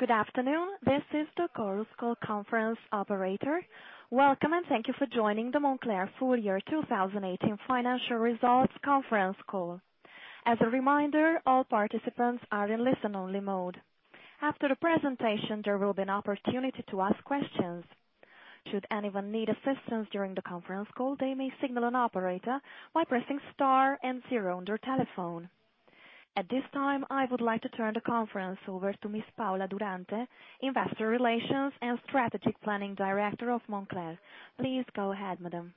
Good afternoon. This is the Chorus Call conference operator. Welcome, and thank you for joining the Moncler Full Year 2018 Financial Results conference call. As a reminder, all participants are in listen-only mode. After the presentation, there will be an opportunity to ask questions. Should anyone need assistance during the conference call, they may signal an operator by pressing Star and Zero on their telephone. At this time, I would like to turn the conference over to Ms. Paola Durante, Investor Relations and Strategic Planning Director of Moncler. Please go ahead, madam.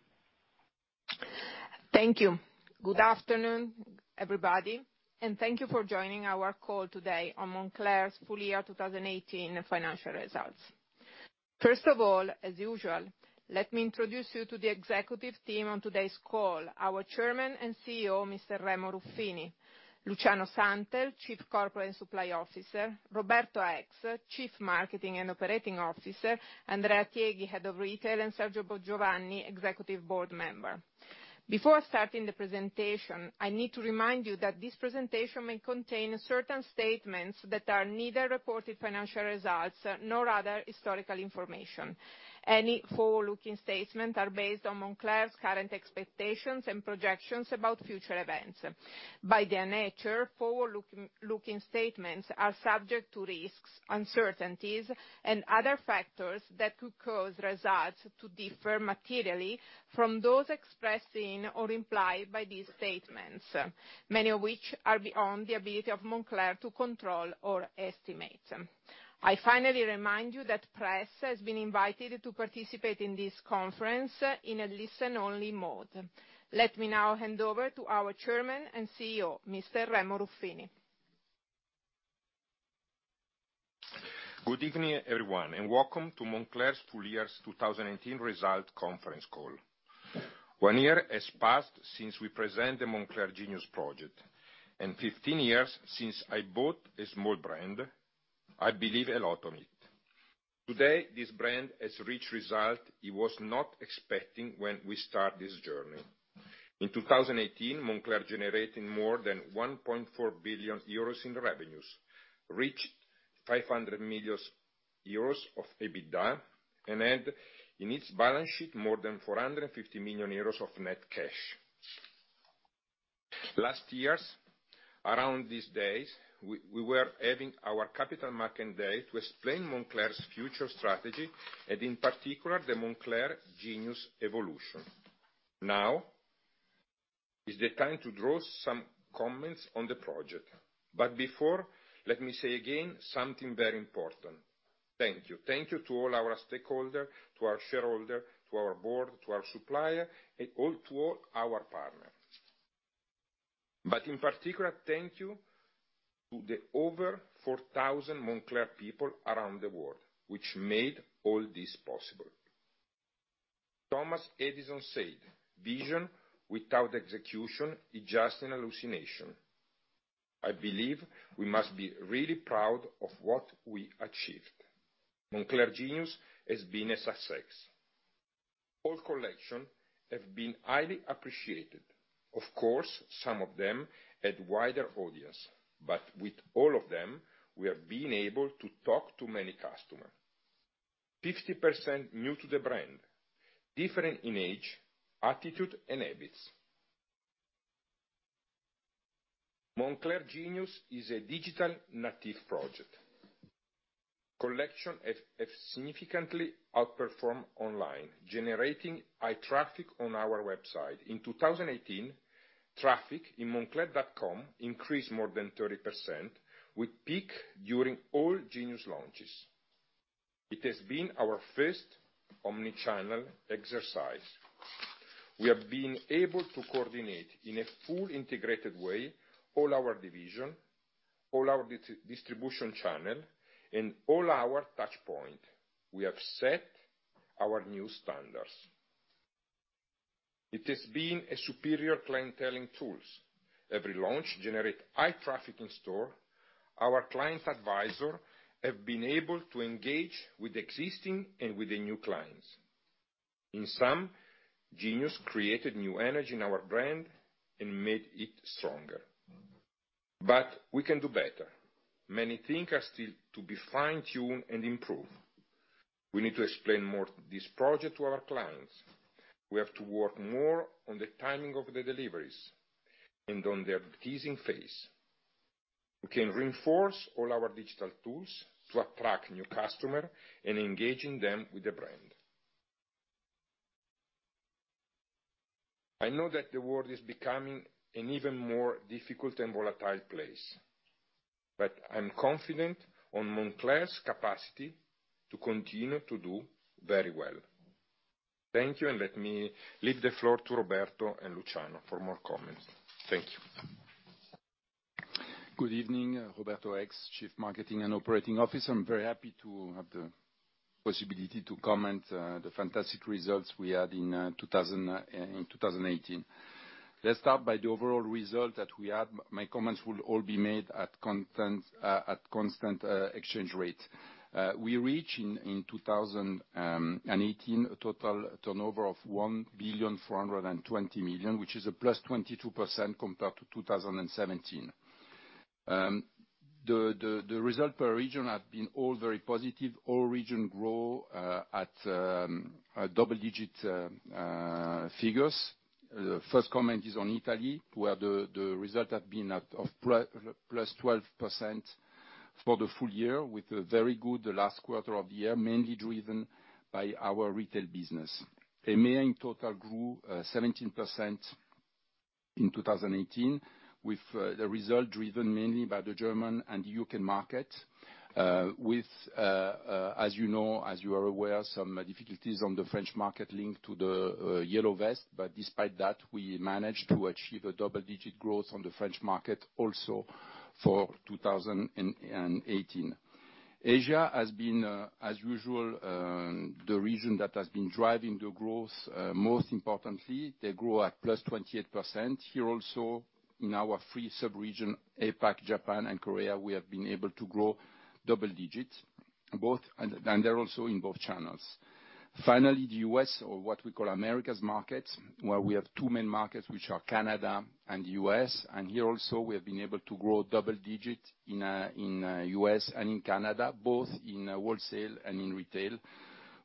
Thank you. Good afternoon, everybody, and thank you for joining our call today on Moncler's full year 2018 financial results. First of all, as usual, let me introduce you to the executive team on today's call. Our Chairman and CEO, Mr. Remo Ruffini, Luciano Santel, Chief Corporate and Supply Officer, Roberto Eggs, Chief Marketing and Operating Officer, Andrea Tieghi, Head of Retail, and Sergio Buongiovanni, Executive Board Member. Before starting the presentation, I need to remind you that this presentation may contain certain statements that are neither reported financial results nor other historical information. Any forward-looking statements are based on Moncler's current expectations and projections about future events. By their nature, forward-looking statements are subject to risks, uncertainties, and other factors that could cause results to differ materially from those expressed in or implied by these statements, many of which are beyond the ability of Moncler to control or estimate. I finally remind you that press has been invited to participate in this conference in a listen-only mode. Let me now hand over to our Chairman and CEO, Mr. Remo Ruffini. Good evening, everyone, and welcome to Moncler's Full Year 2018 Results conference call. One year has passed since we presented the Moncler Genius project, and 15 years since I bought a small brand, I believe a lot on it. Today, this brand has reached results it was not expecting when we start this journey. In 2018, Moncler generated more than 1.4 billion euros in revenues, reached 500 million euros of EBITDA, and had in its balance sheet more than 450 million euros of net cash. Last year, around these days, we were having our capital market day to explain Moncler's future strategy, and in particular, the Moncler Genius evolution. Now is the time to draw some comments on the project. Before, let me say again something very important. Thank you. Thank you to all our stakeholders, to our shareholders, to our board, to our suppliers, and to all our partners. In particular, thank you to the over 4,000 Moncler people around the world which made all this possible. Thomas Edison said, "Vision without execution is just an hallucination." I believe we must be really proud of what we achieved. Moncler Genius has been a success. All collections have been highly appreciated. Of course, some of them had wider audience, but with all of them, we have been able to talk to many customers, 60% new to the brand, different in age, attitude, and habits. Moncler Genius is a digital native project. Collection has significantly outperformed online, generating high traffic on our website. In 2018, traffic in moncler.com increased more than 30%, with peak during all Genius launches. It has been our first omnichannel exercise. We have been able to coordinate in a full integrated way all our division, all our distribution channel, and all our touchpoint. We have set our new standards. It has been a superior clienteling tools. Every launch generates high traffic in store. Our client advisors have been able to engage with existing and with the new clients. In sum, Genius created new energy in our brand and made it stronger. We can do better. Many things are still to be fine-tuned and improved. We need to explain more this project to our clients. We have to work more on the timing of the deliveries and on their teasing phase. We can reinforce all our digital tools to attract new customers and engaging them with the brand. I know that the world is becoming an even more difficult and volatile place, but I'm confident on Moncler's capacity to continue to do very well. Thank you, and let me leave the floor to Roberto and Luciano for more comments. Thank you. Good evening. Roberto Eggs, Chief Marketing and Operating Officer. I'm very happy to have the possibility to comment on the fantastic results we had in 2018. Let's start by the overall result that we had. My comments will all be made at constant exchange rate. We reached in 2018, a total turnover of 1.42 billion, which is a +22% compared to 2017. The result per region have been all very positive. All region grow at double digit figures. First comment is on Italy, where the result have been of +12% for the full year, with a very good last quarter of the year, mainly driven by our retail business. EMEA in total grew 17% in 2018, with the result driven mainly by the German and U.K. market. With, as you are aware, some difficulties on the French market linked to the yellow vests. Despite that, we managed to achieve a double-digit growth on the French market also for 2018. Asia has been, as usual, the region that has been driving the growth. Most importantly, they grow at +28%. Here also in our three sub-region, APAC, Japan, and Korea, we have been able to grow double digits, and they're also in both channels. Finally, the U.S. or what we call Americas markets, where we have two main markets, which are Canada and U.S. Here also, we have been able to grow double digit in U.S. and in Canada, both in wholesale and in retail,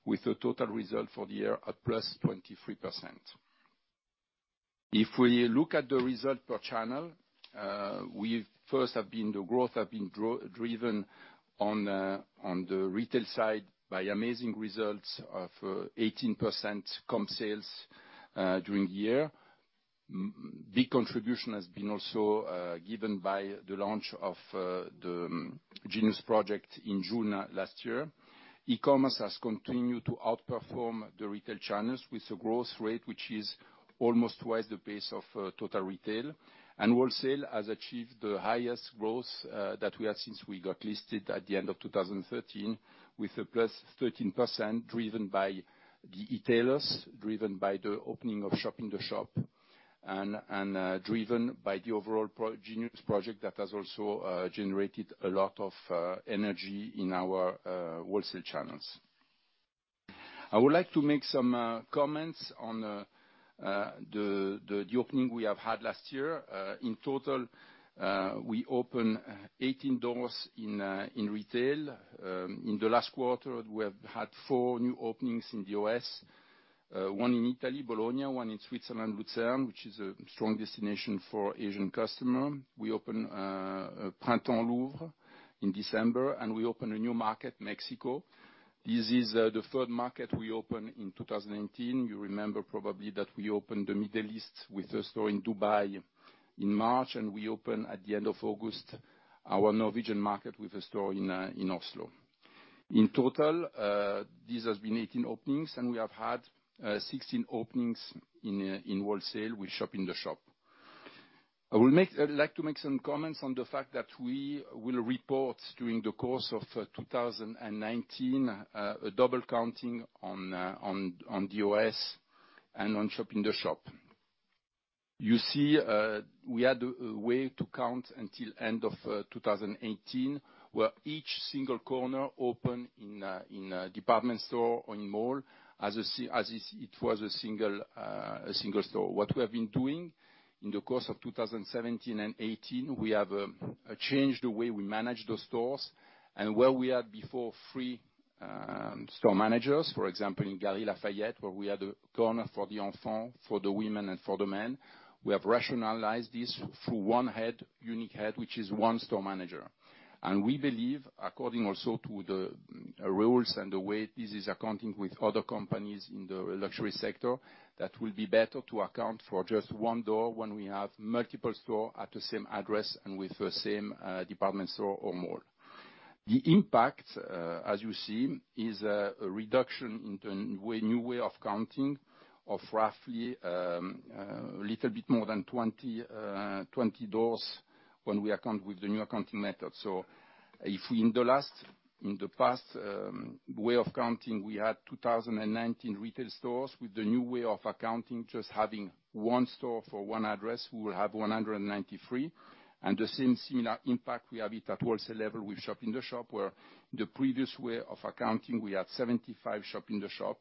with a total result for the year at +23%. If we look at the result per channel, the growth have been driven on the retail side by amazing results of 18% comp sales during the year. Big contribution has been also given by the launch of the Genius project in June last year. E-commerce has continued to outperform the retail channels with a growth rate, which is almost twice the pace of total retail. Wholesale has achieved the highest growth that we had since we got listed at the end of 2013, with a +13% driven by the e-tailers, driven by the opening of shop-in-the-shop, and driven by the overall Genius project that has also generated a lot of energy in our wholesale channels. I would like to make some comments on the opening we have had last year. In total, we opened 18 doors in retail. In the last quarter, we have had four new openings in the U.S., one in Italy, Bologna, one in Switzerland, Lucerne, which is a strong destination for Asian customer. We opened Printemps du Louvre in December. We opened a new market, Mexico. This is the third market we opened in 2018. You remember probably that we opened the Middle East with a store in Dubai in March. We opened at the end of August, our Norwegian market with a store in Oslo. In total, this has been 18 openings. We have had 16 openings in wholesale with shop-in-the-shop. I would like to make some comments on the fact that we will report during the course of 2019, a double counting on the U.S. and on shop-in-the-shop. You see, we had a way to count until end of 2018, where each single corner opened in a department store or in mall as it was a single store. What we have been doing in the course of 2017 and 2018, we have changed the way we manage those stores. Where we had before three store managers, for example, in Galeries Lafayette, where we had a corner for the enfant, for the women, and for the men. We have rationalized this through one head, unique head, which is one store manager. We believe, according also to the rules and the way this is accounting with other companies in the luxury sector, that will be better to account for just one door when we have multiple store at the same address and with the same department store or mall. The impact, as you see, is a reduction into a new way of counting of roughly a little bit more than 20 doors when we account with the new accounting method. If in the past way of counting, we had 219 retail stores. With the new way of accounting, just having one store for one address, we will have 193. The same similar impact, we have it at wholesale level with shop in the shop, where the previous way of accounting, we had 75 shop in the shop.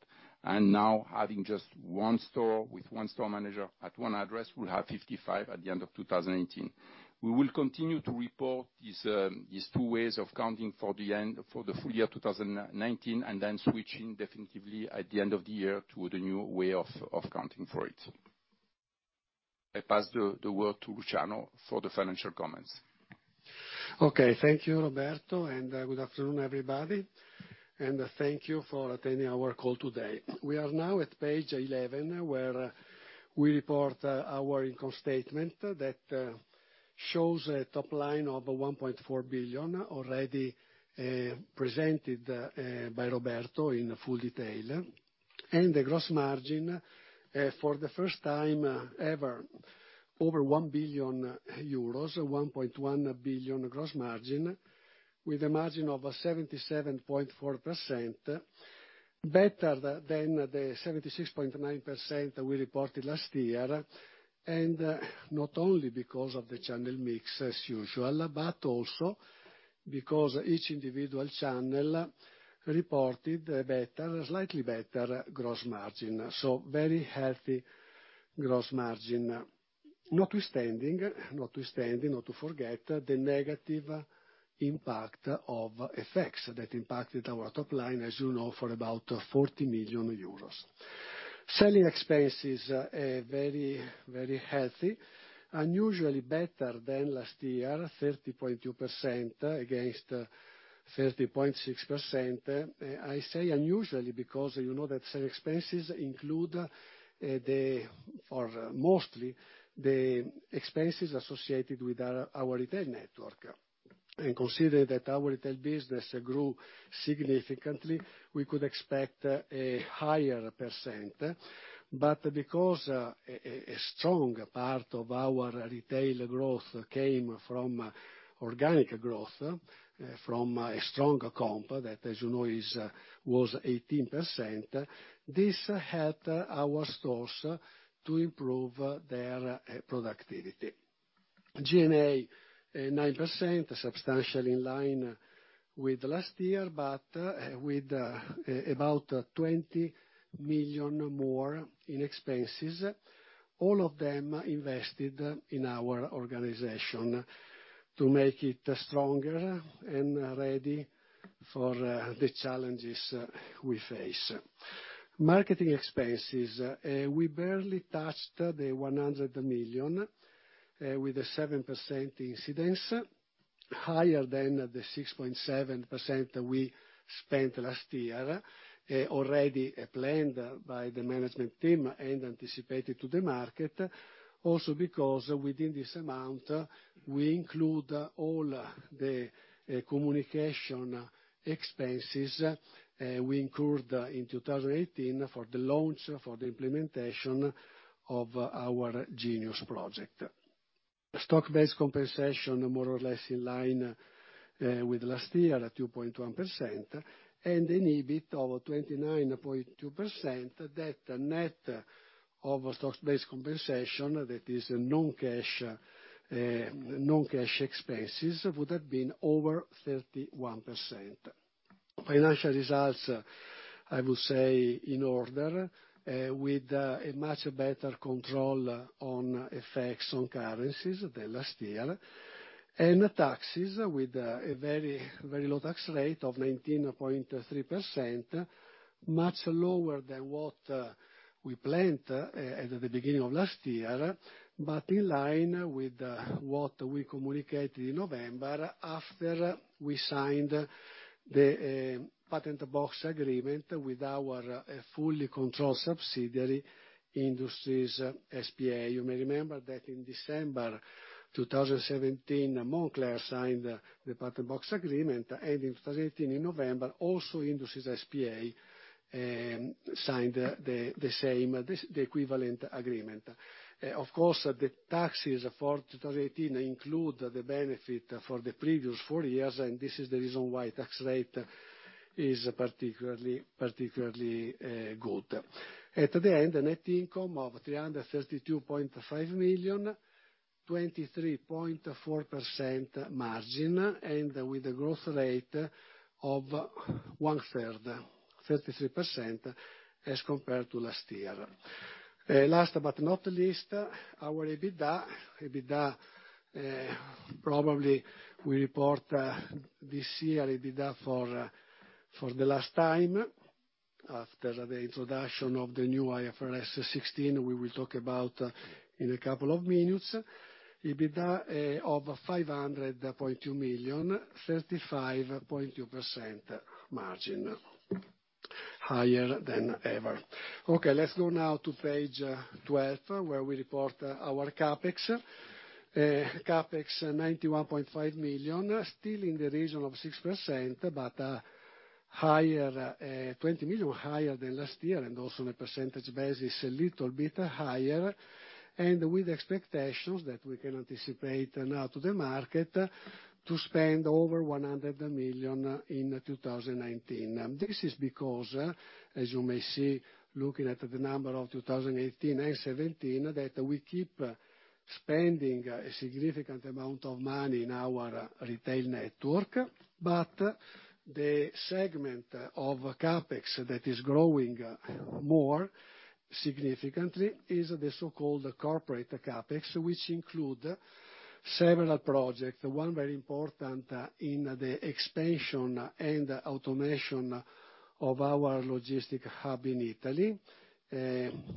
Now having just one store with one store manager at one address, we will have 55 at the end of 2018. We will continue to report these two ways of counting for the full year 2019, then switching definitively at the end of the year to the new way of counting for it. I pass the word to Luciano for the financial comments. Thank you, Roberto, good afternoon, everybody, thank you for attending our call today. We are now at page 11, where we report our income statement that shows a top line of 1.4 billion already presented by Roberto in full detail. The gross margin, for the first time ever, over 1 billion euros, 1.1 billion gross margin with a margin of 77.4%. Better than the 76.9% we reported last year, not only because of the channel mix as usual, but also because each individual channel reported a slightly better gross margin. Very healthy gross margin. Notwithstanding, not to forget, the negative impact of effects that impacted our top line, as you know, for about 40 million euros. Selling expenses are very healthy. Unusually better than last year, 30.2% against 30.6%. I say unusually because you know that selling expenses include, mostly the expenses associated with our retail network. Considering that our retail business grew significantly, we could expect a higher percent. Because a strong part of our retail growth came from organic growth, from a strong comp, that as you know was 18%, this helped our stores to improve their productivity. G&A 9% substantially in line with last year, but with about 20 million more in expenses, all of them invested in our organization to make it stronger and ready for the challenges we face. Marketing expenses. We barely touched the 100 million, with 7% incidence higher than the 6.7% we spent last year, already planned by the management team and anticipated to the market. Because within this amount, we include all the communication expenses we incurred in 2018 for the launch, for the implementation of our Moncler Genius project. Stock-based compensation, more or less in line with last year, at 2.1%. An EBIT of 29.2%, that net of stock-based compensation, that is non-cash expenses, would have been over 31%. Financial results, I would say in order with a much better control on effects on currencies than last year. Taxes with a very low tax rate of 19.3%, much lower than what we planned at the beginning of last year, but in line with what we communicated in November after we signed the patent box agreement with our fully controlled subsidiary, Industries S.p.A. You may remember that in December 2017, Moncler signed the patent box agreement, in 2018, in November, also Industries S.p.A. signed the equivalent agreement. Of course, the taxes for 2018 include the benefit for the previous four years. This is the reason why tax rate is particularly good. At the end, a net income of 332.5 million, 23.4% margin with a growth rate of one third, 33% as compared to last year. Last, not least, our EBITDA. Probably we report this year EBITDA for the last time after the introduction of the new IFRS 16. We will talk about in a couple of minutes. EBITDA of 500.2 million, 35.2% margin higher than ever. Let's go now to page 12 where we report our CapEx. CapEx 91.5 million, still in the region of 6%. It is 20 million higher than last year and also on a percentage basis, a little bit higher, with expectations that we can anticipate now to the market to spend over 100 million in 2019. This is because, as you may see, looking at the number of 2018 and 2017, we keep spending a significant amount of money in our retail network. The segment of CapEx that is growing more significantly is the so-called corporate CapEx, which include several projects. One very important is in the expansion and automation of our logistic hub in Italy.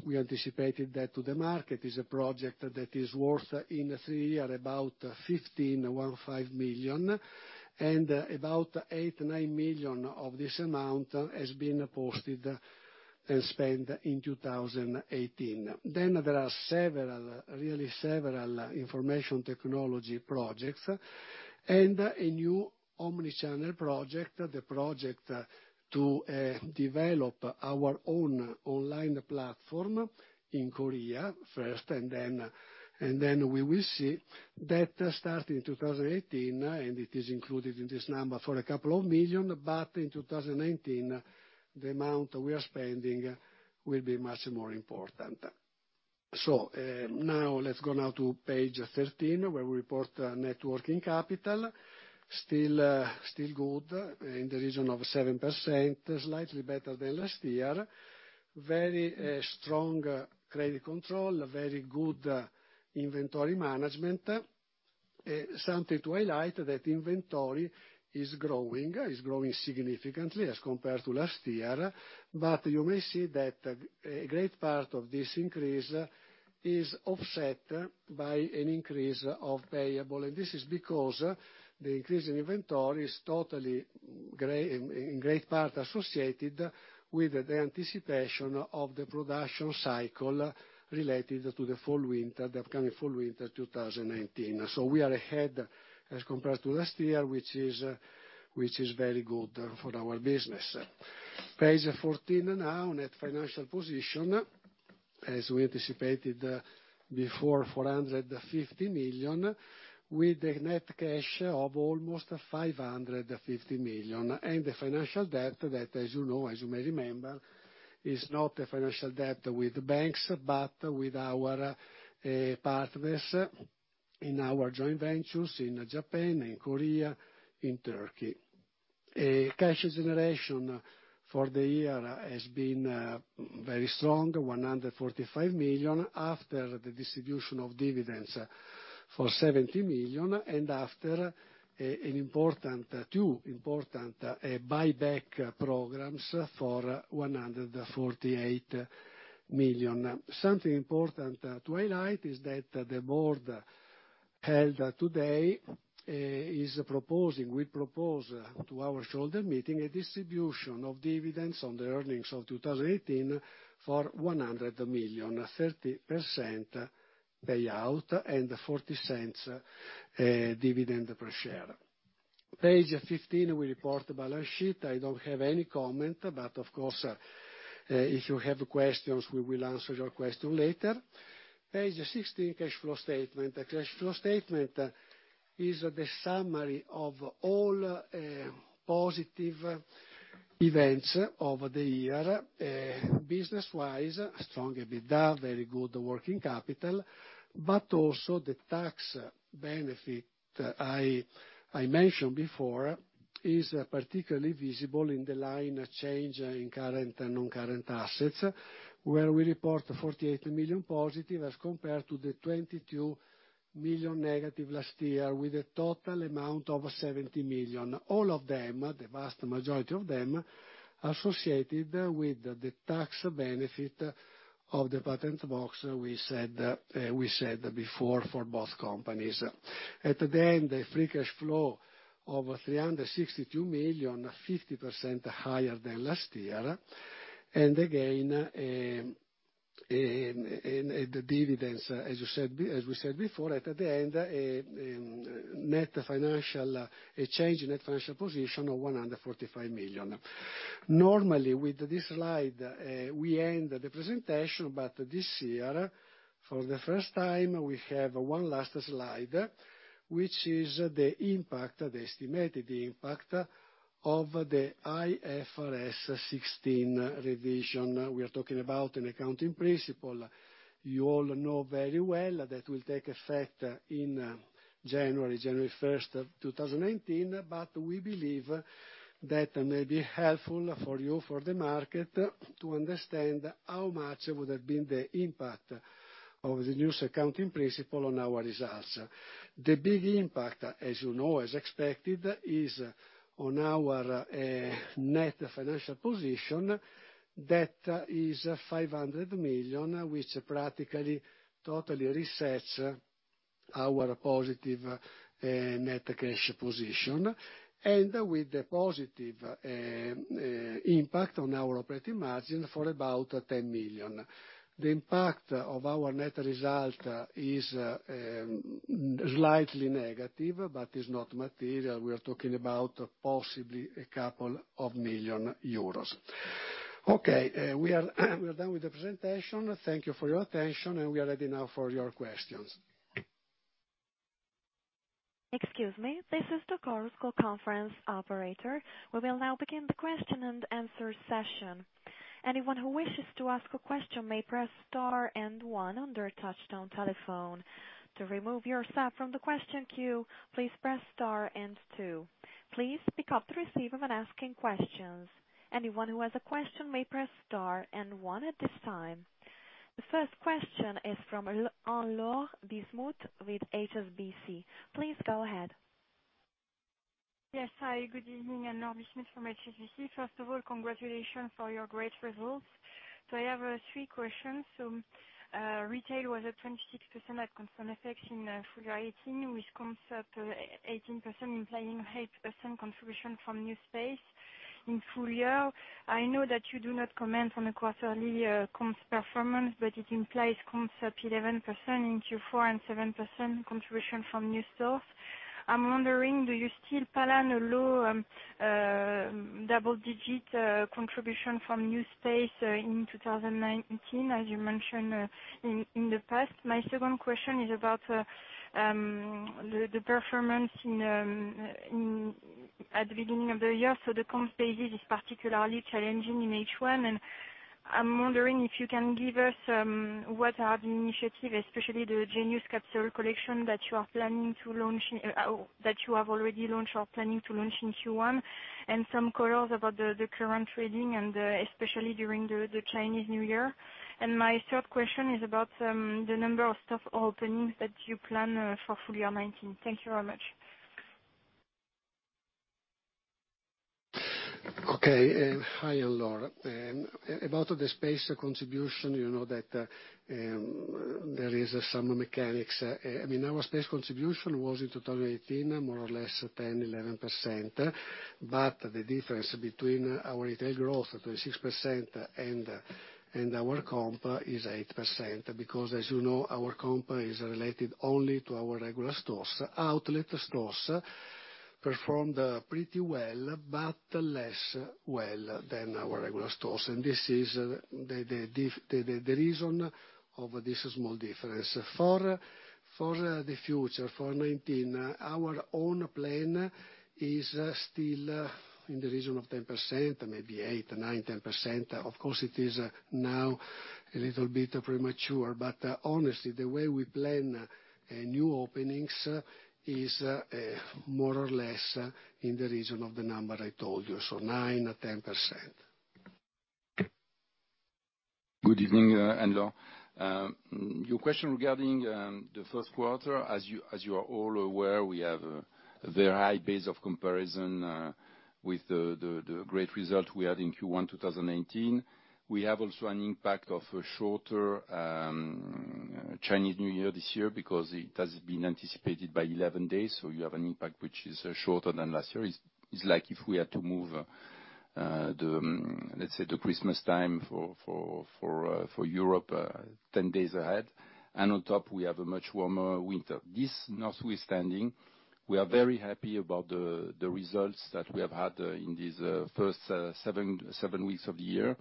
We anticipated that to the market. It is a project that is worth in three years about 15 million, and about 8, 9 million of this amount has been posted and spent in 2018. There are really several information technology projects and a new omnichannel project. The project to develop our own online platform in Korea first, then we will see that start in 2018. It is included in this number for a couple of million. In 2019, the amount we are spending will be much more important. Now let's go to page 13, where we report networking capital. Still good, in the region of 7%, slightly better than last year. Very strong credit control, very good inventory management. Something to highlight is that inventory is growing significantly as compared to last year. You may see that a great part of this increase is offset by an increase of payable. This is because the increase in inventory is in great part associated with the anticipation of the production cycle related to the upcoming fall/winter 2019. We are ahead as compared to last year, which is very good for our business. Page 14, net financial position. As we anticipated before, 450 million, with a net cash of almost 550 million. The financial debt that, as you may remember, is not a financial debt with banks, but with our partners in our joint ventures in Japan, in Korea, in Turkey. Cash generation for the year has been very strong, 145 million after the distribution of dividends for 70 million and after two important buyback programs for 148 million. Something important to highlight is that the board held today. We propose to our shareholder meeting a distribution of dividends on the earnings of 2018 for 100 million, 30% payout, and 0.40 dividend per share. Page 15, we report the balance sheet. I don't have any comment. Of course, if you have questions, we will answer your question later. Page 16, cash flow statement. The cash flow statement is the summary of all positive events over the year. Business-wise, strong EBITDA, very good working capital, also the tax benefit I mentioned before is particularly visible in the line change in current and non-current assets, where we report 48 million positive as compared to the 22 million negative last year, with a total amount of 70 million. All of them, the vast majority of them, associated with the tax benefit of the patent box we said before for both companies. At the end, a free cash flow of 362 million, 50% higher than last year. Again, the dividends, as we said before, at the end, a change in net financial position of 145 million. Normally, with this slide, we end the presentation, this year, for the first time, we have one last slide, which is the estimated impact of the IFRS 16 revision. We are talking about an accounting principle you all know very well that will take effect in January 1, 2019, we believe that may be helpful for you, for the market to understand how much would have been the impact of the newest accounting principle on our results. The big impact, as you know, as expected, is on our net financial position. That is 500 million, which practically totally resets our positive net cash position with a positive impact on our operating margin for about 10 million. The impact of our net result is slightly negative but is not material. We are talking about possibly a couple of million EUR. Okay. We are done with the presentation. Thank you for your attention, we are ready now for your questions. Excuse me. This is the call conference operator. We will now begin the question and answer session. Anyone who wishes to ask a question may press star 1 on their touchtone telephone. To remove yourself from the question queue, please press star 2. Please pick up the receiver when asking questions. Anyone who has a question may press star 1 at this time. The first question is from Anne-Laure Bismuth with HSBC. Please go ahead. Yes. Hi, good evening. Anne-Laure Bismuth from HSBC. First of all, congratulations on your great results. I have three questions. Retail was at 26% at constant effects in full year 2018, with comps 18% implying 8% contribution from new space in full year. I know that you do not comment on a quarterly comps performance, but it implies comps up 11% in Q4 and 7% contribution from new stores. I'm wondering, do you still plan a low double-digit contribution from new space in 2019, as you mentioned in the past? My second question is about the performance at the beginning of the year. The comps basis is particularly challenging in H1. I'm wondering if you can give us what are the initiatives, especially the Genius capsule collection that you have already launched or planning to launch in Q1, and some colors about the current trading, especially during the Chinese New Year. My third question is about the number of store openings that you plan for full-year 2019. Thank you very much. Okay. Hi, Anne-Laure. About the space contribution, you know that there is some mechanics. Our space contribution was in 2018, more or less 10%, 11%, but the difference between our retail growth, 36%, and our comp is 8%, because as you know, our comp is related only to our regular stores. Outlet stores performed pretty well, but less well than our regular stores. This is the reason of this small difference. For the future, for 2019, our own plan is still in the region of 10%, maybe eight, nine, 10%. Of course, it is now a little bit premature, but honestly, the way we plan new openings is more or less in the region of the number I told you, so 9% or 10%. Good evening, Anne-Laure. Your question regarding the first quarter, as you are all aware, we have a very high base of comparison with the great result we had in Q1 2019. We have also an impact of a shorter Chinese New Year this year because it has been anticipated by 11 days, so you have an impact which is shorter than last year. It's like if we had to move, let's say, the Christmas time for Europe 10 days ahead. On top, we have a much warmer winter. This notwithstanding, we are very happy about the results that we have had in these first seven weeks of the year,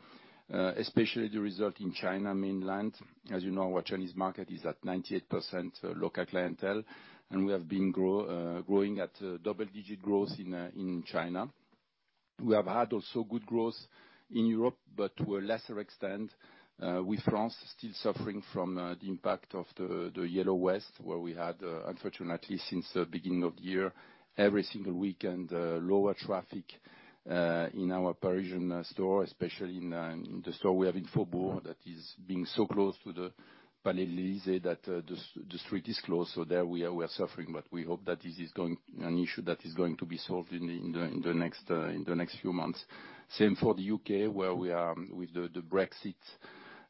especially the result in China Mainland. As you know, our Chinese market is at 98% local clientele, and we have been growing at double-digit growth in China. We have had also good growth in Europe, but to a lesser extent, with France still suffering from the impact of the yellow vests, where we had, unfortunately, since the beginning of the year, every single weekend, lower traffic in our Parisian store, especially in the store we have in Faubourg that is being so close to the Pari Élysées, that the street is closed. There we are suffering, but we hope that this is an issue that is going to be solved in the next few months. Same for the U.K., where we are with the Brexit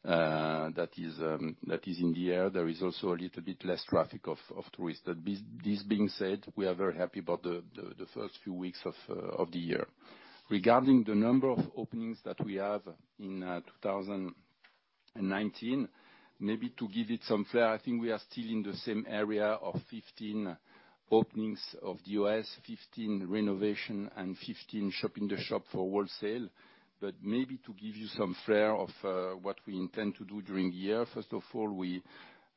that is in the air. There is also a little bit less traffic of tourists. This being said, we are very happy about the first few weeks of the year. Regarding the number of openings that we have in 2019, maybe to give it some flair, I think we are still in the same area of 15 openings in the U.S., 15 renovations, and 15 shop-in-shops for wholesale. Maybe to give you some flair of what we intend to do during the year, first of all, we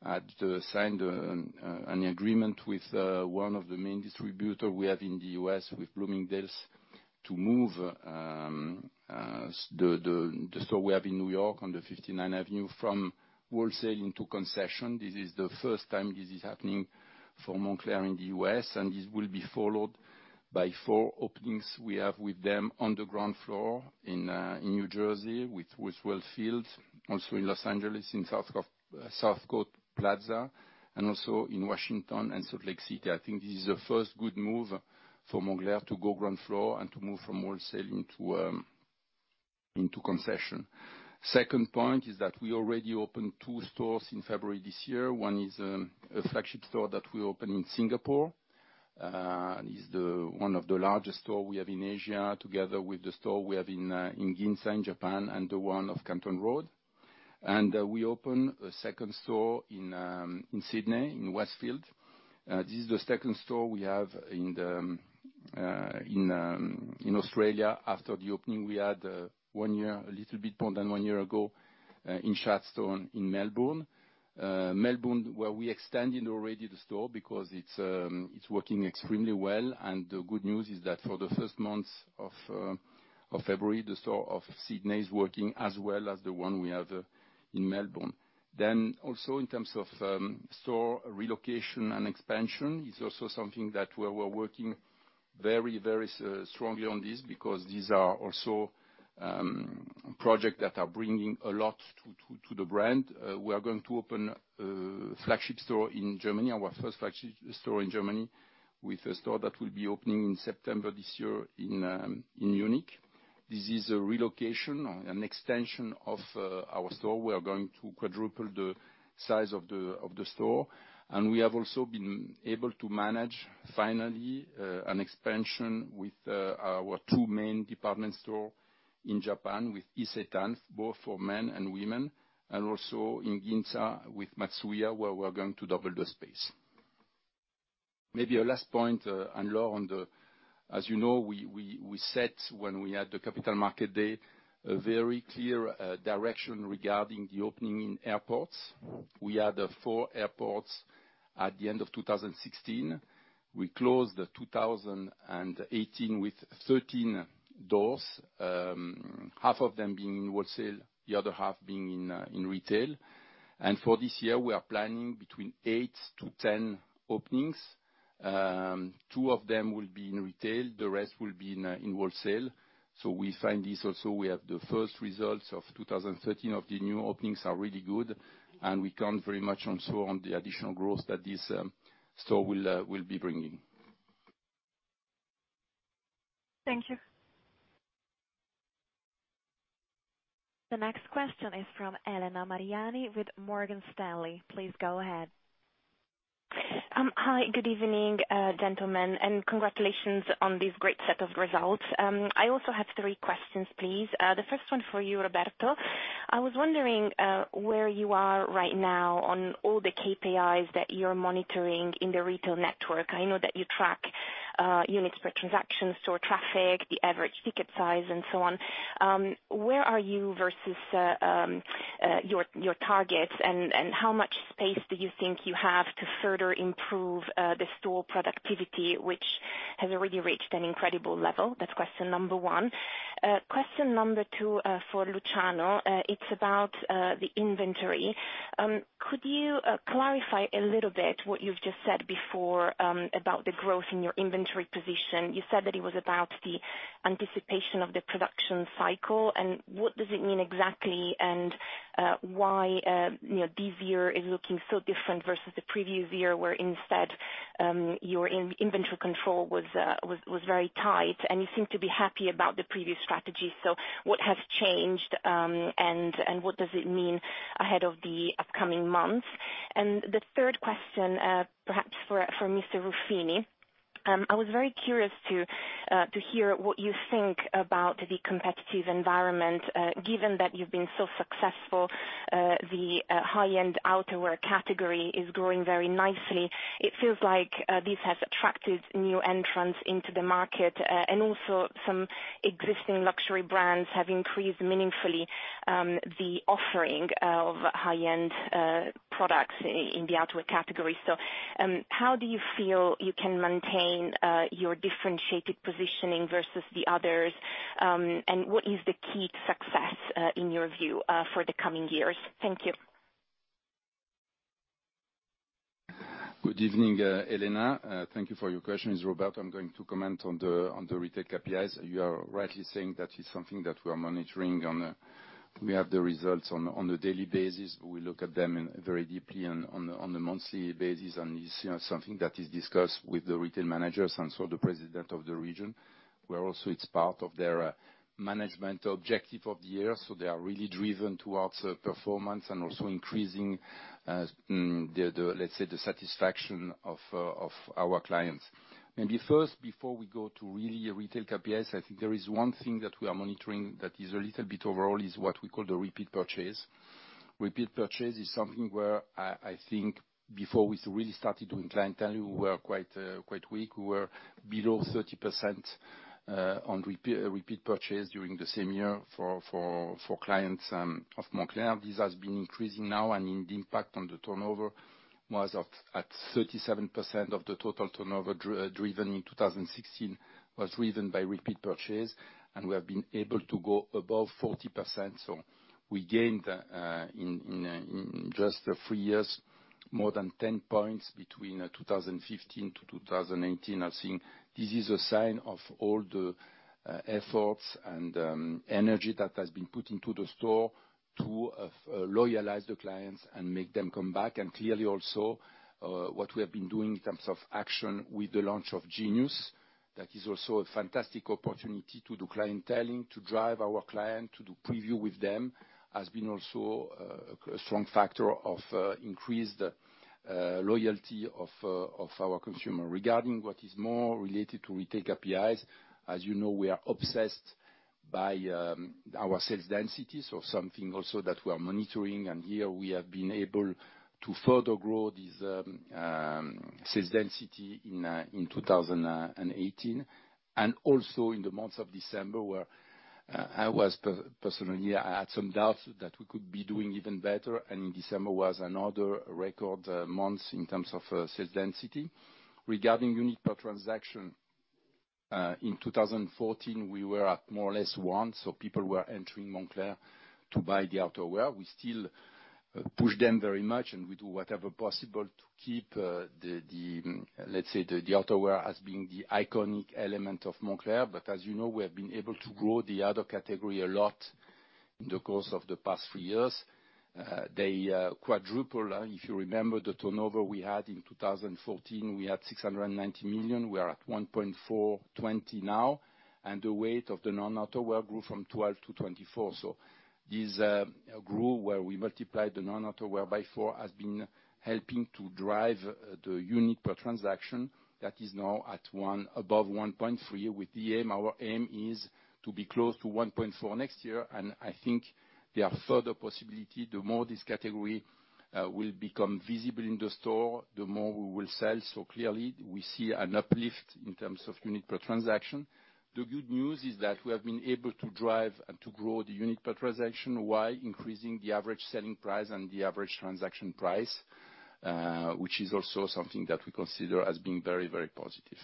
had signed an agreement with one of the main distributors we have in the U.S., with Bloomingdale's, to move the store we have in New York on the Fifth Avenue from wholesale into concession. This is the first time this is happening for Moncler in the U.S., and this will be followed by four openings we have with them on the ground floor in New Jersey with Westfield, also in Los Angeles in South Coast Plaza, and also in Washington and Salt Lake City. I think this is the first good move for Moncler to go ground floor and to move from wholesale into concession. Second point is that we already opened two stores in February this year. One is a flagship store that we opened in Singapore. It's one of the largest stores we have in Asia, together with the store we have in Ginza in Japan and the one off Canton Road. We opened a second store in Sydney in Westfield. This is the second store we have in Australia after the opening we had a little bit more than one year ago in Chadstone in Melbourne. Melbourne, where we extended already the store because it's working extremely well, and the good news is that for the first month of February, the store of Sydney is working as well as the one we have in Melbourne. Also in terms of store relocation and expansion, it's also something that we're working very strongly on this, because these are also projects that are bringing a lot to the brand. We are going to open a flagship store in Germany, our first flagship store in Germany, with a store that will be opening in September this year in Munich. This is a relocation, an extension of our store. We are going to quadruple the size of the store. We have also been able to manage, finally, an expansion with our two main department stores in Japan with Isetan, both for men and women, and also in Ginza with Matsuya, where we're going to double the space. Maybe a last point, Anne-Laure, as you know, we set when we had the capital market day, a very clear direction regarding the opening in airports. We had four airports at the end of 2016. We closed 2018 with 13 airports. Half of them being in wholesale, the other half being in retail. For this year, we are planning between 8-10 openings. Two of them will be in retail, the rest will be in wholesale. We find this also, we have the first results of 2013 of the new openings are really good, and we count very much also on the additional growth that this store will be bringing. Thank you. The next question is from Elena Mariani with Morgan Stanley. Please go ahead. Hi. Good evening, gentlemen, and congratulations on this great set of results. I also have three questions, please. The first one for you, Roberto. I was wondering where you are right now on all the KPIs that you're monitoring in the retail network. I know that you track units per transaction, store traffic, the average ticket size and so on. Where are you versus your targets, and how much space do you think you have to further improve the store productivity, which has already reached an incredible level? That's question number one. Question number two, for Luciano, it's about the inventory. Could you clarify a little bit what you've just said before, about the growth in your inventory position? You said that it was about the anticipation of the production cycle, and what does it mean exactly, and why this year is looking so different versus the previous year, where instead, your inventory control was very tight and you seem to be happy about the previous strategy. What has changed, and what does it mean ahead of the upcoming months? The third question, perhaps for Mr. Ruffini. I was very curious to hear what you think about the competitive environment, given that you've been so successful. The high-end outerwear category is growing very nicely. It feels like this has attracted new entrants into the market. Also some existing luxury brands have increased meaningfully, the offering of high-end products in the outerwear category. How do you feel you can maintain your differentiated positioning versus the others? What is the key to success, in your view, for the coming years? Thank you. Good evening, Elena. Thank you for your questions. It is Roberto. I am going to comment on the retail KPIs. You are rightly saying that is something that we are monitoring, we have the results on a daily basis. We look at them very deeply on a monthly basis, it is something that is discussed with the retail managers the president of the region, where also it is part of their management objective of the year. They are really driven towards performance also increasing the, let us say, the satisfaction of our clients. Maybe first, before we go to really retail KPIs, I think there is one thing that we are monitoring that is a little bit overall, is what we call the repeat purchase. Repeat purchase is something where I think before we really started doing clienteling, we were quite weak. We were below 30% on repeat purchase during the same year for clients of Moncler. This has been increasing now the impact on the turnover was at 37% of the total turnover driven in 2016, was driven by repeat purchase, we have been able to go above 40%. We gained, in just three years, more than 10 points between 2015 to 2018. I think this is a sign of all the efforts and energy that has been put into the store to loyalize the clients and make them come back. Clearly also, what we have been doing in terms of action with the launch of Genius, that is also a fantastic opportunity to do clienteling, to drive our client, to do preview with them, has been also a strong factor of increased loyalty of our consumer. Regarding what is more related to retail KPIs, as you know, we are obsessed by our sales density, something also that we are monitoring. Here we have been able to further grow this sales density in 2018. Also in the months of December, where I was personally, I had some doubts that we could be doing even better, in December was another record month in terms of sales density. Regarding unit per transaction, in 2014, we were at more or less one, people were entering Moncler to buy the outerwear. We still push them very much, we do whatever possible to keep, let us say, the outerwear as being the iconic element of Moncler. As you know, we have been able to grow the other category a lot in the course of the past few years. They quadruple. If you remember the turnover we had in 2014, we had 690 million. We are at 1,420 million now. The weight of the non-outerwear grew from 12% to 24%. This grew where we multiplied the non-outerwear by four, has been helping to drive the unit per transaction that is now at above 1.3 with our aim is to be close to 1.4 next year. I think there are further possibility, the more this category will become visible in the store, the more we will sell. Clearly, we see an uplift in terms of unit per transaction. The good news is that we have been able to drive and to grow the unit per transaction while increasing the average selling price and the average transaction price, which is also something that we consider as being very, very positive.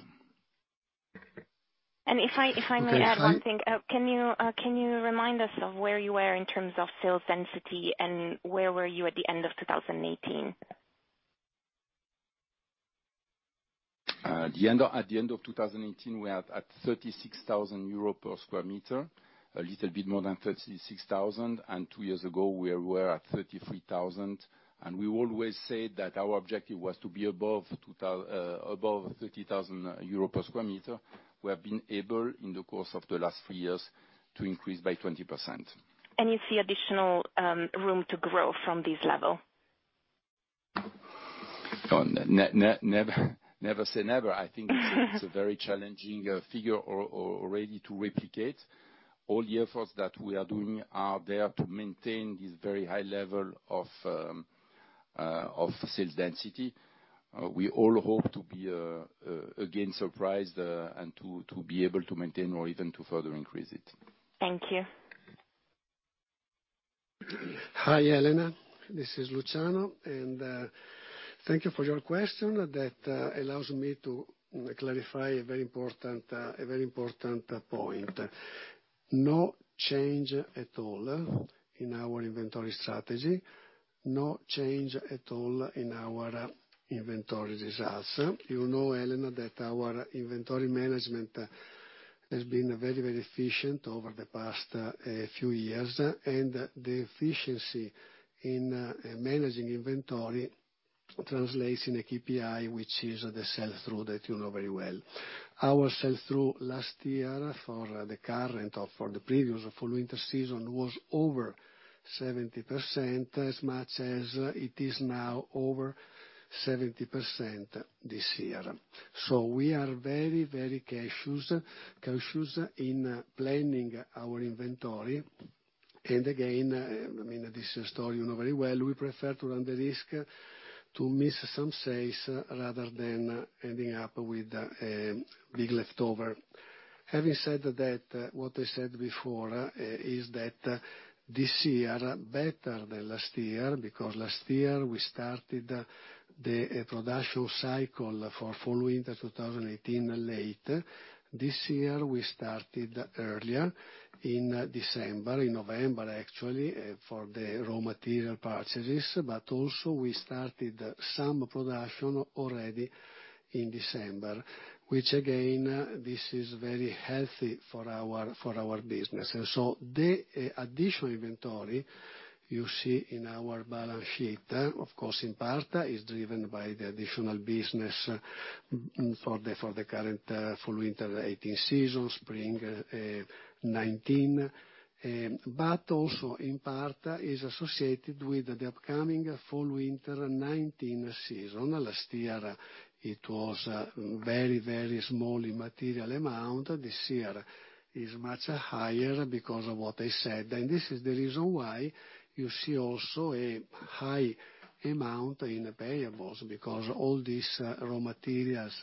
If I may add one thing, can you remind us of where you were in terms of sales density, and where were you at the end of 2018? At the end of 2018, we are at 36,000 euro per square meter, a little bit more than 36,000, and two years ago we were at 33,000. We always said that our objective was to be above 30,000 euro per square meter. We have been able, in the course of the last three years, to increase by 20%. You see additional room to grow from this level? Never say never. I think it's a very challenging figure already to replicate. All the efforts that we are doing are there to maintain this very high level of sales density. We all hope to be, again, surprised and to be able to maintain or even to further increase it. Thank you. Hi, Elena. This is Luciano. Thank you for your question. That allows me to clarify a very important point. No change at all in our inventory strategy. No change at all in our inventory results. You know, Elena, that our inventory management has been very efficient over the past few years. The efficiency in managing inventory translates in a KPI, which is the sell-through that you know very well. Our sell-through last year for the current or for the previous fall-winter season was over 70%, as much as it is now over 70% this year. We are very cautious in planning our inventory. Again, this is a story you know very well. We prefer to run the risk to miss some sales rather than ending up with a big leftover. Having said that, what I said before is that this year, better than last year, because last year we started the production cycle for fall-winter 2018 late. This year, we started earlier in December, in November actually, for the raw material purchases. Also we started some production already in December, which again, this is very healthy for our business. The additional inventory you see in our balance sheet, of course in part, is driven by the additional business for the current fall-winter 2018 season, spring 2019. Also, in part, is associated with the upcoming fall-winter 2019 season. Last year it was very small immaterial amount. This year is much higher because of what I said. This is the reason why you see also a high amount in the payables, because all these raw materials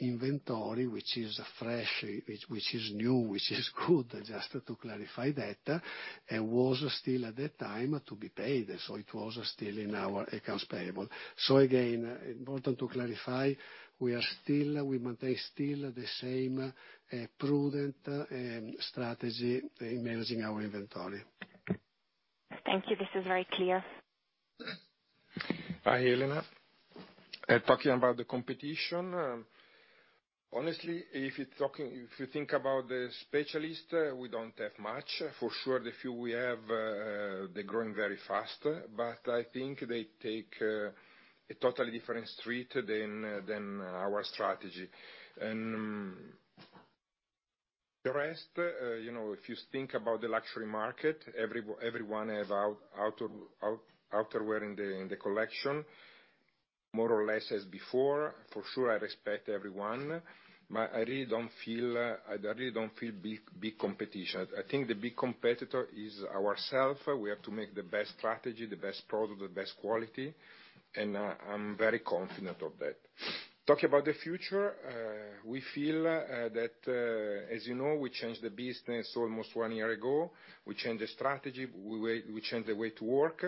inventory, which is fresh, which is new, which is good, just to clarify that, and was still at that time to be paid. It was still in our accounts payable. Again, important to clarify, we maintain still the same prudent strategy in managing our inventory. Thank you. This is very clear. Hi, Elena. Talking about the competition, honestly, if you think about the specialist, we don't have much. For sure, the few we have, they're growing very fast, but I think they take a totally different street than our strategy. The rest, if you think about the luxury market, everyone have outerwear in the collection, more or less as before. For sure, I respect everyone. I really don't feel big competition. I think the big competitor is ourself. We have to make the best strategy, the best product, the best quality. I'm very confident of that. Talking about the future, we feel that, as you know, we changed the business almost one year ago. We changed the strategy, we changed the way to work.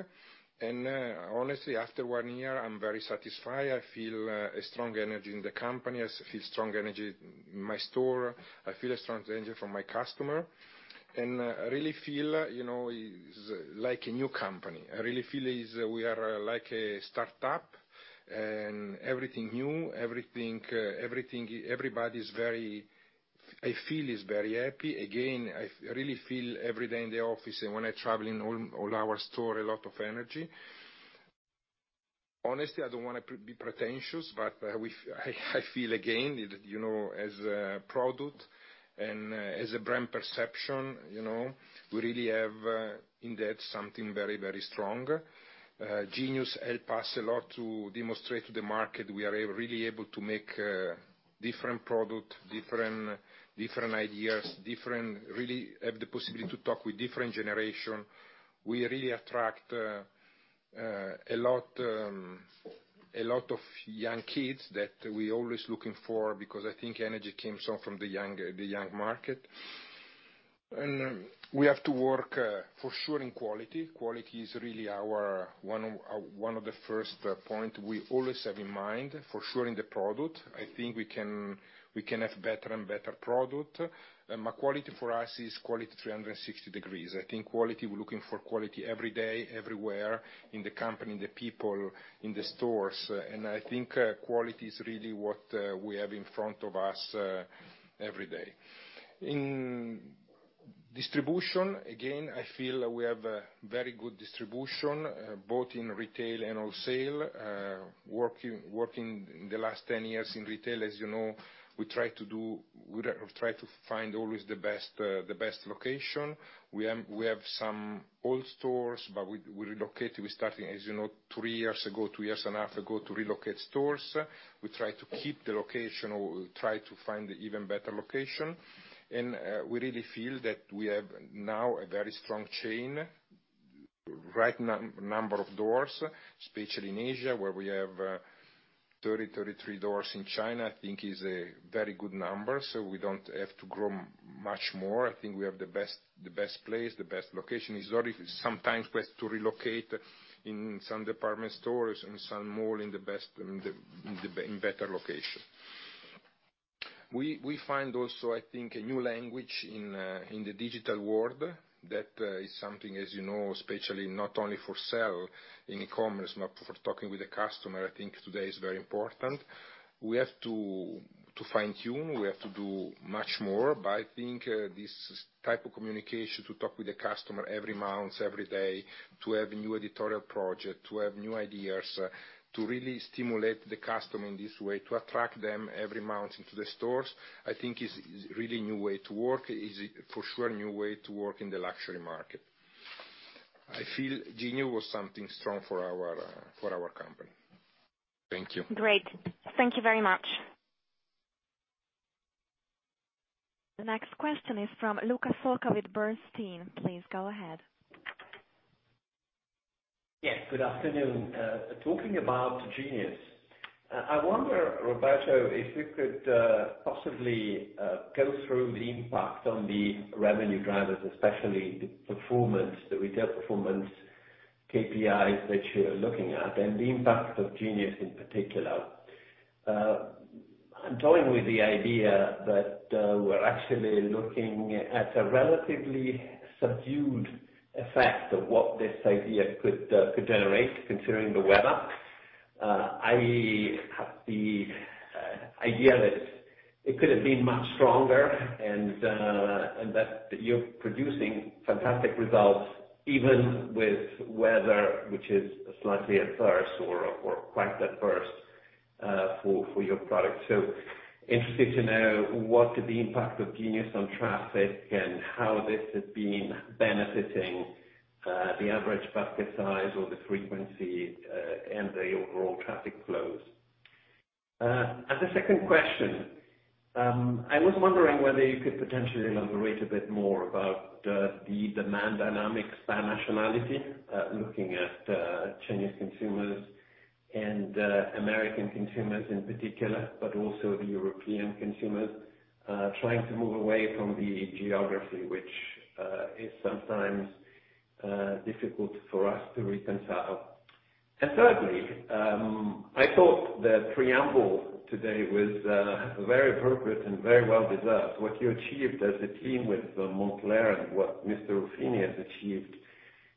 Honestly, after one year, I'm very satisfied. I feel a strong energy in the company. I feel strong energy in my store. I feel a strong energy from my customer, I really feel like a new company. I really feel we are like a startup everything new, everybody is very happy. Again, I really feel every day in the office and when I travel in all our store, a lot of energy. Honestly, I don't want to be pretentious, I feel again, as a product and as a brand perception, we really have in that something very strong. Moncler Genius help us a lot to demonstrate to the market we are really able to make different product, different ideas, really have the possibility to talk with different generation. We really attract a lot of young kids that we always looking for because I think energy comes from the young market. We have to work for sure in quality. Quality is really one of the first points we always have in mind for sure in the product. I think we can have better and better product. Quality for us is quality 360 degrees. I think we're looking for quality every day, everywhere, in the company, the people, in the stores. I think quality is really what we have in front of us every day. In distribution, again, I feel we have a very good distribution, both in retail and wholesale. Working the last 10 years in retail, as you know, we try to find always the best location. We have some old stores, but we're relocating. We're starting, as you know, three years ago, two years and a half ago, to relocate stores. We try to keep the location or we try to find even better location. We really feel that we have now a very strong chain. Right number of doors, especially in Asia, where we have 30, 33 doors in China, I think is a very good number, so we don't have to grow much more. I think we have the best place, the best location. It's already sometimes we have to relocate in some department stores and some mall in better location. We find also, I think, a new language in the digital world that is something, as you know, especially not only for sell in e-commerce, not for talking with the customer, I think today is very important. We have to fine-tune, we have to do much more. I think this type of communication, to talk with the customer every month, every day, to have a new editorial project, to have new ideas, to really stimulate the customer in this way, to attract them every month into the stores, I think is really new way to work. Is for sure, a new way to work in the luxury market. I feel Genius was something strong for our company. Thank you. Great. Thank you very much. The next question is from Luca Solca with Bernstein. Please go ahead. Yes, good afternoon. Talking about Genius, I wonder, Roberto, if you could possibly go through the impact on the revenue drivers, especially the retail performance, KPIs that you're looking at, and the impact of Genius in particular. I'm toying with the idea that we're actually looking at a relatively subdued effect of what this idea could generate, considering the weather. I have the idea that it could have been much stronger and that you're producing fantastic results even with weather, which is slightly adverse or quite adverse for your product. Interested to know what the impact of Genius on traffic and how this has been benefiting the average basket size or the frequency, and the overall traffic flows. As a second question, I was wondering whether you could potentially elaborate a bit more about the demand dynamics by nationality, looking at Chinese consumers and American consumers in particular, but also the European consumers, trying to move away from the geography, which is sometimes difficult for us to reconcile. Thirdly, I thought the preamble today was very appropriate and very well deserved. What you achieved as a team with Moncler and what Mr. Ruffini has achieved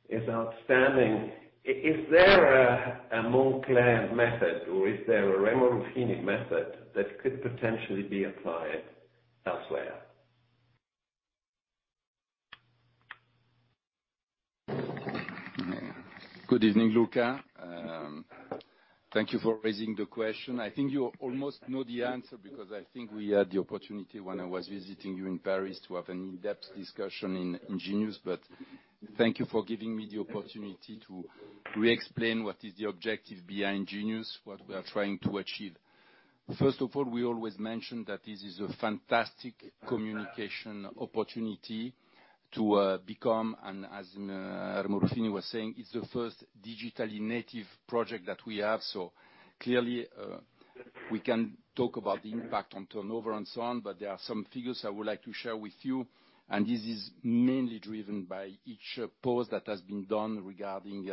is outstanding. Is there a Moncler method or is there a Remo Ruffini method that could potentially be applied elsewhere? Good evening, Luca. Thank you for raising the question. I think you almost know the answer because I think we had the opportunity when I was visiting you in Paris to have an in-depth discussion in Genius. Thank you for giving me the opportunity to reexplain what is the objective behind Genius, what we are trying to achieve. First of all, we always mention that this is a fantastic communication opportunity to become, and as Remo Ruffini was saying, it's the first digitally native project that we have. Clearly, we can talk about the impact on turnover and so on. There are some figures I would like to share with you, and this is mainly driven by each post that has been done regarding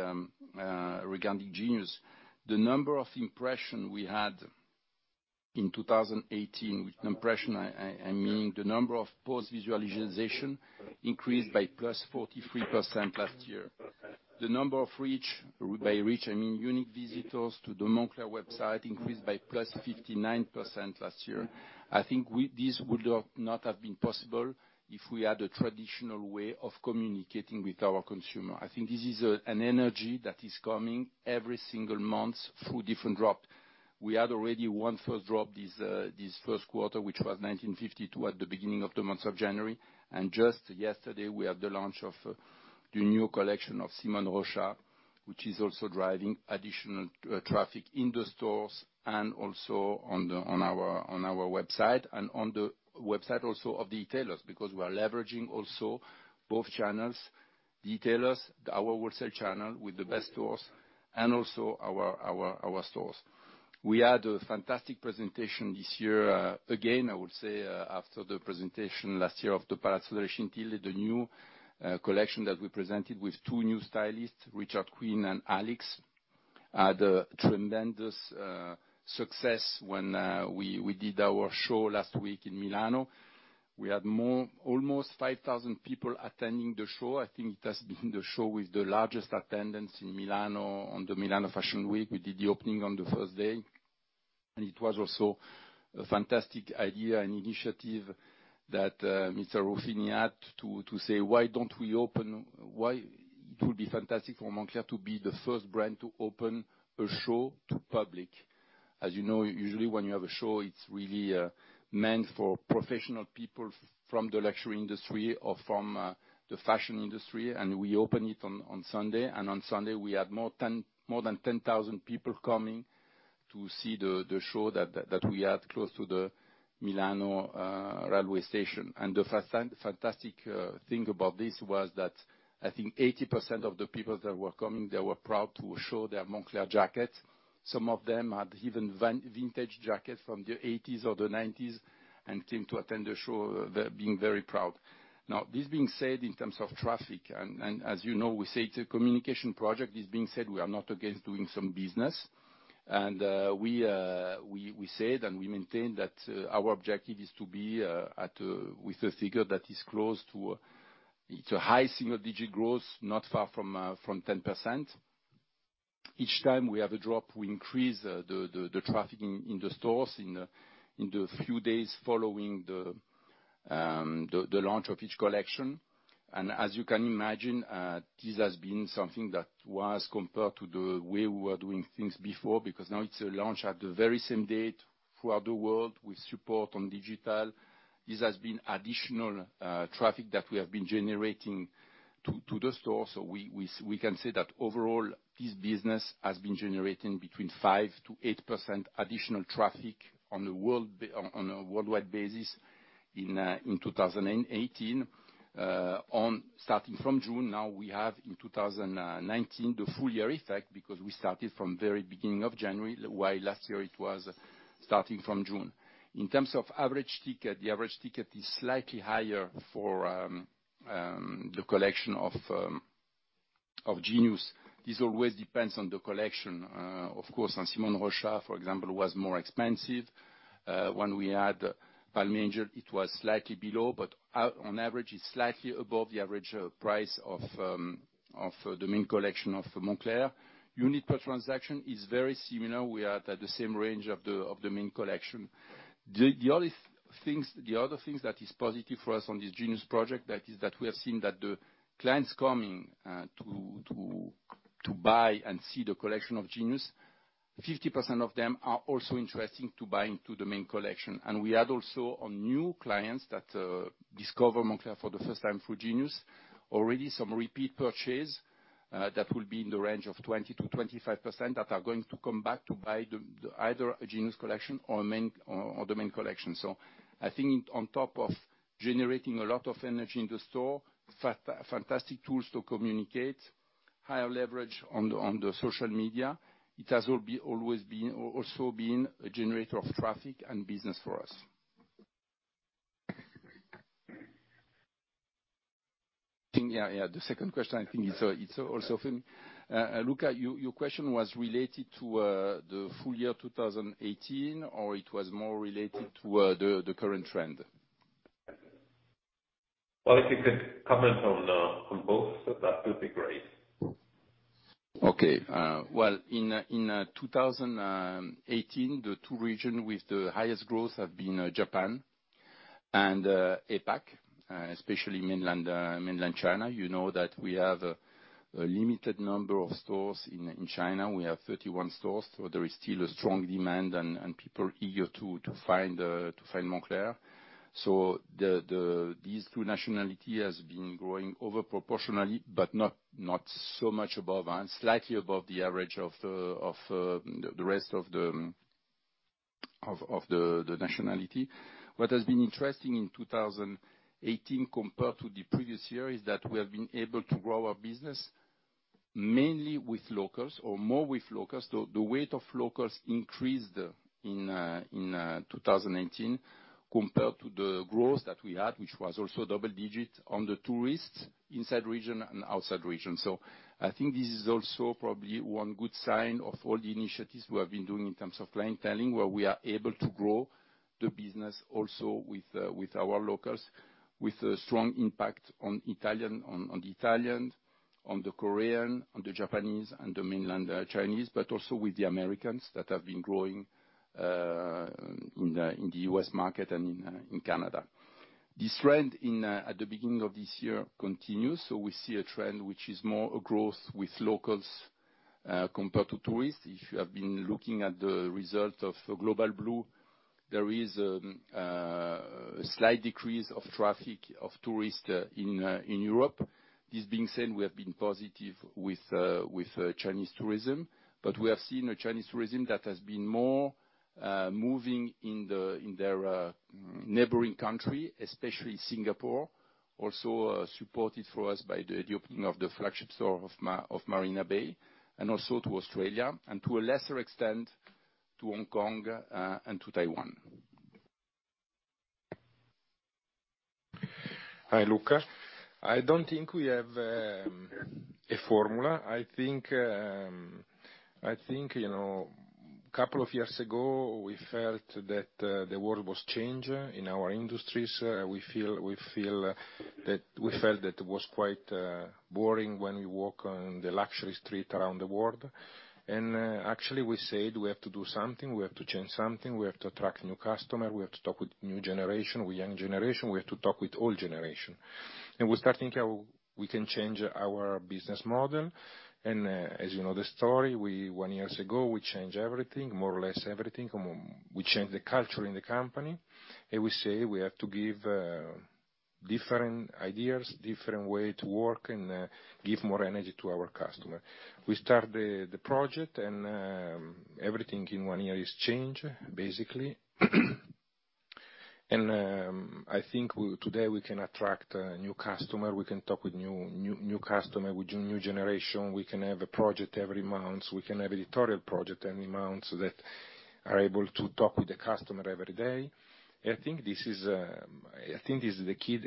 Genius. The number of impressions we had in 2018, with impressions, I mean the number of post visualization, increased by +43% last year. The number of reach, by reach, I mean unique visitors to the moncler.com, increased by +59% last year. I think this would not have been possible if we had a traditional way of communicating with our consumer. I think this is an energy that is coming every single month through different drops. We had already one first drop this first quarter, which was 1952 at the beginning of the month of January. Just yesterday we had the launch of the new collection of Simone Rocha, which is also driving additional traffic in the stores and also on moncler.com and on the website also of the retailers, because we are leveraging also Both channels, retailers, our wholesale channel with the best stores, and also our stores. We had a fantastic presentation this year. Again, I would say, after the presentation last year of the Château de Chantilly, the new collection that we presented with two new stylists, Richard Quinn and Alyx, had a tremendous success when we did our show last week in Milano. We had almost 5,000 people attending the show. I think it has been the show with the largest attendance in Milano on the Milan Fashion Week. It was also a fantastic idea and initiative that Mr. Ruffini had to say, it would be fantastic for Moncler to be the first brand to open a show to public. As you know, usually when you have a show, it's really meant for professional people from the luxury industry or from the fashion industry. We open it on Sunday. On Sunday, we had more than 10,000 people coming to see the show that we had close to the Milano railway station. The fantastic thing about this was that I think 80% of the people that were coming, they were proud to show their Moncler jacket. Some of them had even vintage jackets from the '80s or the '90s and came to attend the show, being very proud. Now, this being said, in terms of traffic, as you know, we say it's a communication project. This being said, we are not against doing some business. We said, and we maintain that our objective is to be with a figure that is close to a high single-digit growth, not far from 10%. Each time we have a drop, we increase the traffic in the stores in the few days following the launch of each collection. As you can imagine, this has been something that was compared to the way we were doing things before, because now it's a launch at the very same date throughout the world with support on digital. This has been additional traffic that we have been generating to the store. We can say that overall, this business has been generating between 5%-8% additional traffic on a worldwide basis in 2018. Starting from June now, we have in 2019 the full year effect because we started from very beginning of January, while last year it was starting from June. In terms of average ticket, the average ticket is slightly higher for the collection of Genius. This always depends on the collection. Of course, Simone Rocha, for example, was more expensive. When we had Palm Angels, it was slightly below, but on average, it's slightly above the average price of the main collection of Moncler. Unit per transaction is very similar. We are at the same range of the main collection. The other things that is positive for us on this Genius project, that is that we have seen that the clients coming to buy and see the collection of Genius, 50% of them are also interesting to buying to the main collection. We had also on new clients that discover Moncler for the first time through Genius, already some repeat purchase that will be in the range of 20%-25% that are going to come back to buy either a Genius collection or the main collection. I think on top of generating a lot of energy in the store, fantastic tools to communicate, higher leverage on the social media. It has also been a generator of traffic and business for us. The second question, I think it's also from Luca. Your question was related to the full year 2018, or it was more related to the current trend? If you could comment on both, that would be great. In 2018, the two region with the highest growth have been Japan and APAC, especially mainland China. You know that we have a limited number of stores in China. We have 31 stores. There is still a strong demand and people eager to find Moncler. These two nationality has been growing over proportionally, but not so much above and slightly above the average of the rest of the nationality. What has been interesting in 2018 compared to the previous year is that we have been able to grow our business mainly with locals or more with locals. The weight of locals increased in 2018 compared to the growth that we had, which was also double digit on the tourists inside region and outside region. I think this is also probably one good sign of all the initiatives we have been doing in terms of clienteling, where we are able to grow the business also with our locals, with a strong impact on the Italian, on the Korean, on the Japanese, and the mainland Chinese, but also with the Americans that have been growing, in the U.S. market and in Canada. This trend at the beginning of this year continues. We see a trend which is more a growth with locals, compared to tourists. If you have been looking at the result of Global Blue, there is a slight decrease of traffic of tourists in Europe. This being said, we have been positive with Chinese tourism. We have seen a Chinese tourism that has been more moving in their neighboring country, especially Singapore, also supported for us by the opening of the flagship store of Marina Bay, and also to Australia, and to a lesser extent, to Hong Kong and to Taiwan. Hi, Luca. I don't think we have a formula. I think, a couple of years ago, we felt that the world was changing in our industries. We felt that it was quite boring when we walk on the luxury street around the world. Actually we said we have to do something, we have to change something, we have to attract new customer, we have to talk with new generation, with young generation, we have to talk with old generation. We start thinking how we can change our business model, and as you know the story, one year ago, we changed everything, more or less everything. We changed the culture in the company, and we say we have to give different ideas, different way to work and give more energy to our customer. We start the project and everything in one year is changed, basically. I think today we can attract new customer, we can talk with new customer, with new generation. We can have a project every month. We can have editorial project every month, so that are able to talk with the customer every day. I think this is the key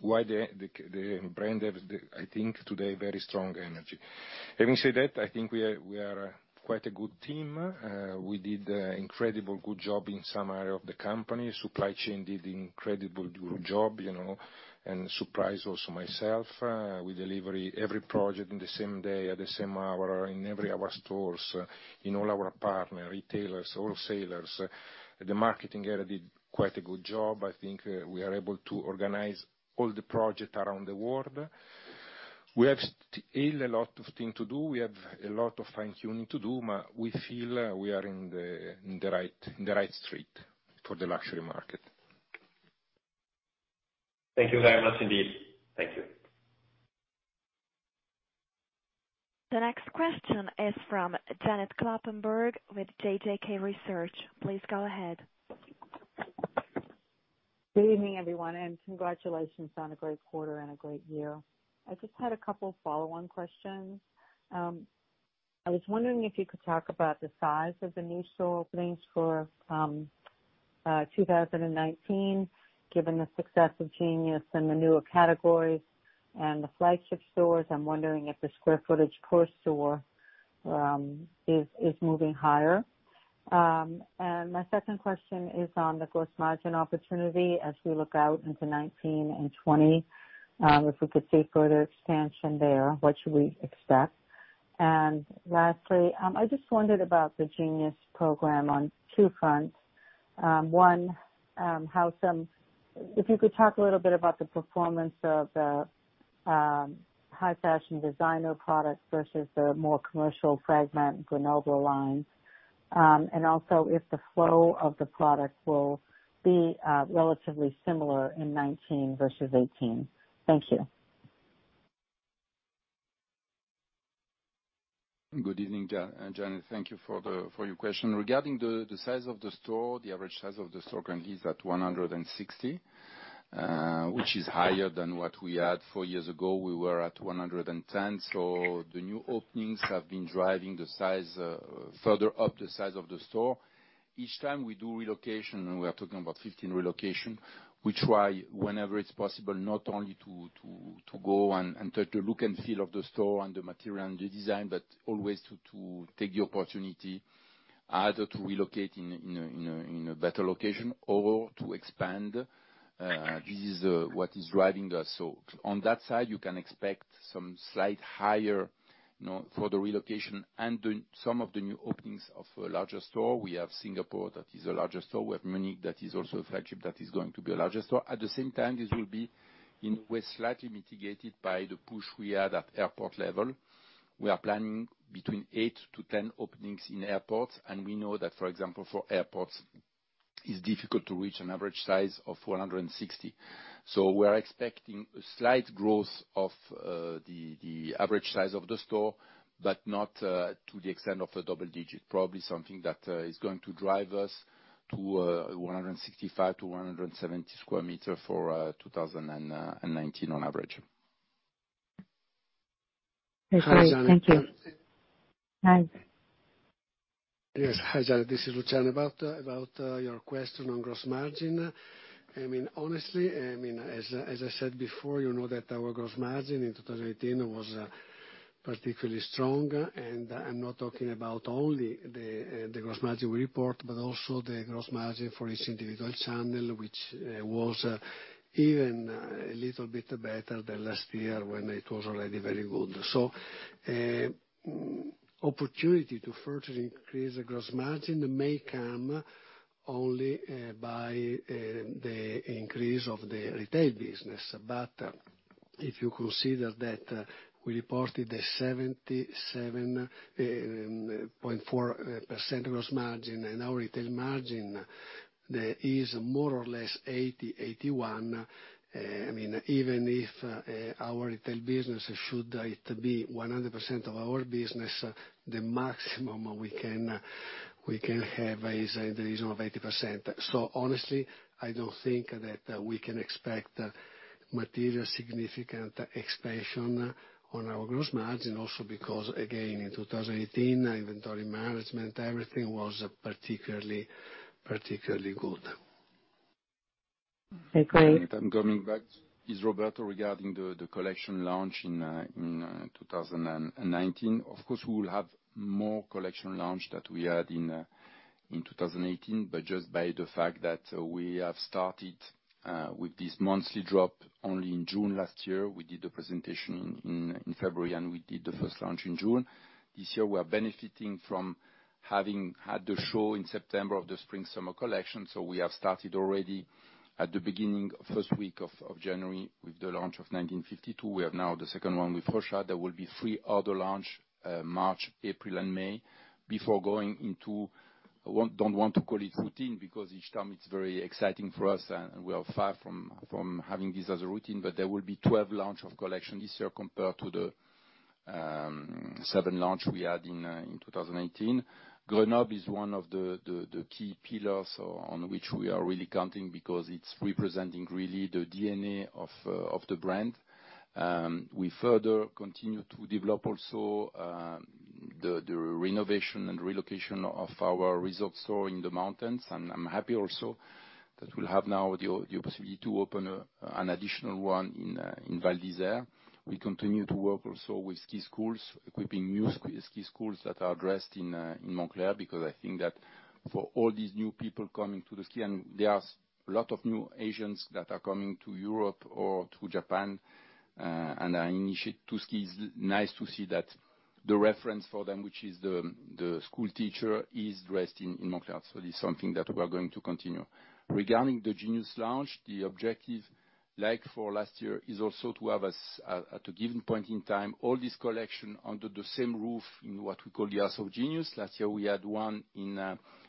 why the brand have, I think today, very strong energy. Having said that, I think we are quite a good team. We did a incredible good job in some area of the company. Supply chain did incredible good job, and surprised also myself. We delivery every project in the same day, at the same hour, in every our stores, in all our partner, retailers, wholesalers. The marketing area did quite a good job. I think we are able to organize all the project around the world. We have still a lot of thing to do. We have a lot of fine-tuning to do. We feel we are in the right street for the luxury market. Thank you very much indeed. Thank you. The next question is from Janet Kloppenburg with JJK Research. Please go ahead. Good evening, everyone. Congratulations on a great quarter and a great year. I just had a couple of follow-on questions. I was wondering if you could talk about the size of the new store openings for 2019, given the success of Genius and the newer categories and the flagship stores. I'm wondering if the square footage per store is moving higher. My second question is on the gross margin opportunity as we look out into 2019 and 2020, if we could see further expansion there, what should we expect? Lastly, I just wondered about the Genius program on two fronts. One, if you could talk a little bit about the performance of the high fashion designer products versus the more commercial Fragment Grenoble lines. Also if the flow of the product will be relatively similar in 2019 versus 2018. Thank you. Good evening, Janet. Thank you for your question. Regarding the size of the store, the average size of the store currently is at 160, which is higher than what we had four years ago. We were at 110, so the new openings have been driving further up the size of the store. Each time we do relocation, and we are talking about 15 relocation, we try whenever it's possible, not only to go and touch the look and feel of the store and the material and the design, but always to take the opportunity either to relocate in a better location or to expand. This is what is driving us. On that side, you can expect some slight higher for the relocation and some of the new openings of a larger store. We have Singapore that is a larger store. We have Munich that is also a flagship that is going to be a larger store. At the same time, this will be in a way slightly mitigated by the push we had at airport level. We are planning between eight to 10 openings in airports, and we know that, for example, for airports, it's difficult to reach an average size of 160. We're expecting a slight growth of the average size of the store, but not to the extent of a double digit. Probably something that is going to drive us to 165 to 170 sq m for 2019 on average. That's great. Thank you. Hi, Janet. Hi. Yes. Hi, Janet, this is Luciano. About your question on gross margin. Honestly, as I said before, you know that our gross margin in 2018 was particularly strong, and I'm not talking about only the gross margin we report, but also the gross margin for each individual channel, which was even a little bit better than last year when it was already very good. Opportunity to further increase the gross margin may come only by the increase of the retail business. If you consider that we reported a 77.4% gross margin and our retail margin is more or less 80%-81%. Even if our retail business, should it be 100% of our business, the maximum we can have is in the region of 80%. Honestly, I don't think that we can expect material significant expansion on our gross margin also because, again, in 2018, inventory management, everything was particularly good. Okay, great. I'm coming back. It's Roberto. Regarding the collection launch in 2019, of course, we'll have more collection launch than we had in 2018. Just by the fact that we have started with this monthly drop only in June last year, we did the presentation in February, and we did the first launch in June. This year, we are benefiting from having had the show in September of the spring-summer collection. We have started already at the beginning, first week of January, with the launch of 1952. We have now the second one with Rocha. There will be 3 other launch, March, April, and May, before going into, I don't want to call it routine, because each time it's very exciting for us, and we are far from having this as a routine. There will be 12 launch of collection this year compared to the 7 launch we had in 2018. Grenoble is one of the key pillars on which we are really counting because it's representing really the DNA of the brand. We further continue to develop also the renovation and relocation of our resort store in the mountains. I'm happy also that we'll have now the opportunity to open an additional one in Val d'Isère. We continue to work also with ski schools, equipping new ski schools that are dressed in Moncler, because I think that for all these new people coming to the ski, and there are a lot of new Asians that are coming to Europe or to Japan, and are initiate to ski, it's nice to see that the reference for them, which is the school teacher, is dressed in Moncler. This is something that we are going to continue. Regarding the Genius launch, the objective, like for last year, is also to have, at a given point in time, all this collection under the same roof in what we call the House of Genius. Last year we had one in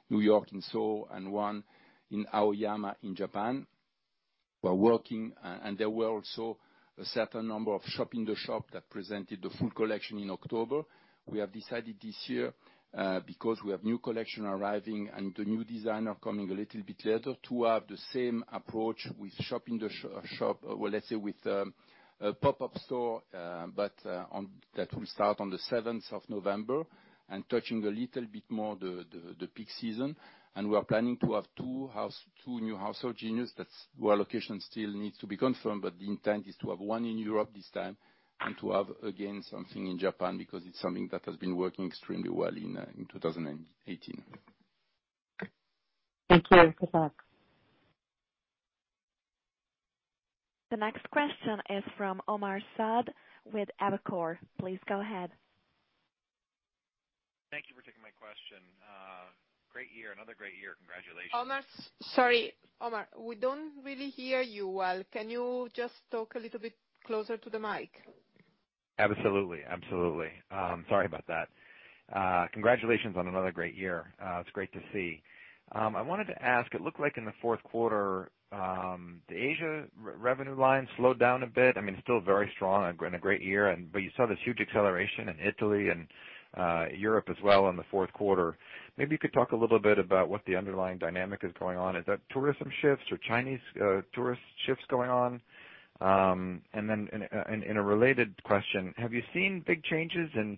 New York, in Soho, and one in Aoyama in Japan. We are working, and there were also a certain number of shop in the shop that presented the full collection in October. We have decided this year, because we have new collection arriving and the new designer coming a little bit later, to have the same approach with shop in the shop. Well, let's say with a pop-up store, but that will start on the 7th of November and touching a little bit more the peak season. We are planning to have two new House of Genius. Their location still needs to be confirmed, the intent is to have one in Europe this time and to have, again, something in Japan, because it is something that has been working extremely well in 2018. Thank you. Good luck. The next question is from Omar Saad with Evercore. Please go ahead. Thank you for taking my question. Great year. Another great year. Congratulations. Omar, sorry. Omar, we don't really hear you well. Can you just talk a little bit closer to the mic? Absolutely. Sorry about that. Congratulations on another great year. It's great to see. I wanted to ask, it looked like in the fourth quarter, the Asia revenue line slowed down a bit. Still very strong and a great year, but you saw this huge acceleration in Italy and Europe as well in the fourth quarter. Maybe you could talk a little bit about what the underlying dynamic is going on. Is that tourism shifts or Chinese tourist shifts going on? In a related question, have you seen big changes in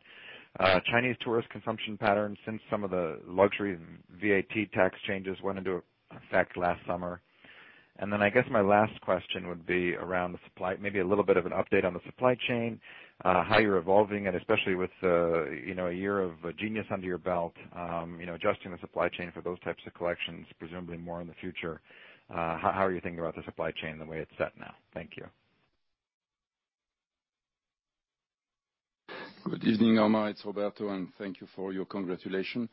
Chinese tourist consumption patterns since some of the luxury VAT tax changes went into effect last summer? I guess my last question would be around the supply, maybe a little bit of an update on the supply chain, how you're evolving it. Especially with a year of Genius under your belt, adjusting the supply chain for those types of collections, presumably more in the future. How are you thinking about the supply chain, the way it's set now? Thank you. Good evening, Omar. Roberto, thank you for your congratulations.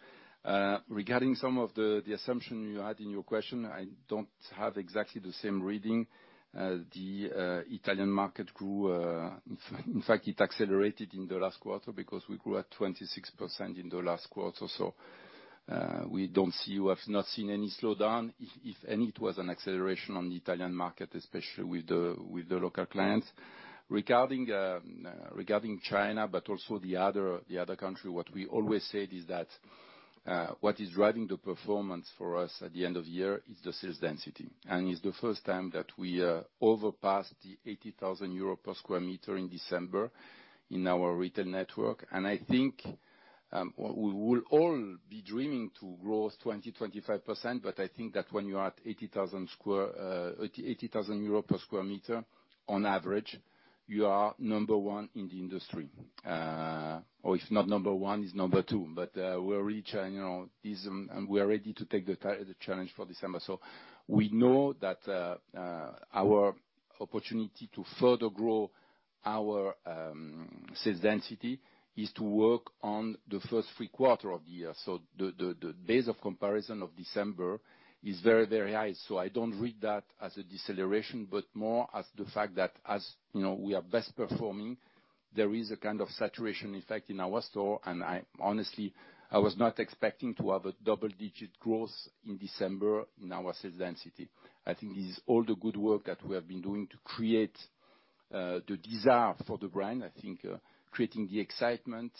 Regarding some of the assumptions you had in your question, I do not have exactly the same reading. The Italian market grew. In fact, it accelerated in the last quarter because we grew at 26% in the last quarter. We have not seen any slowdown. If any, it was an acceleration on the Italian market, especially with the local clients. Regarding China, but also the other country, what we always said is that what is driving the performance for us at the end of the year is the sales density. It is the first time that we overpassed the 80,000 euro per square meter in December in our retail network. I think we will all be dreaming to grow 20%-25%, but I think that when you are at 80,000 EUR per square meter, on average, you are number one in the industry. Or if not number one, it is number two. We are ready to take the challenge for December. We know that our opportunity to further grow our sales density is to work on the first three quarters of the year. The base of comparison of December is very, very high. I do not read that as a deceleration, but more as the fact that as we are best performing, there is a kind of saturation effect in our store, and honestly, I was not expecting to have a double-digit growth in December in our sales density. I think this is all the good work that we have been doing to create the desire for the brand. I think creating the excitement,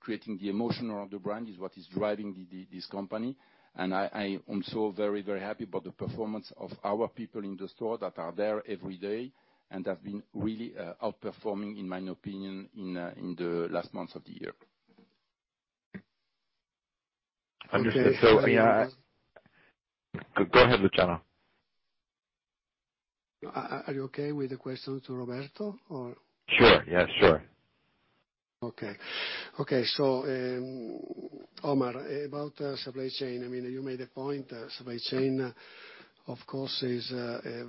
creating the emotion around the brand is what is driving this company. I am so very, very happy about the performance of our people in the store that are there every day and have been really outperforming, in my opinion, in the last months of the year. Understood. Yeah, go ahead, Luciano. Are you okay with the question to Roberto or? Sure, yeah. Sure. Okay. Omar, about supply chain. You made a point, supply chain, of course, is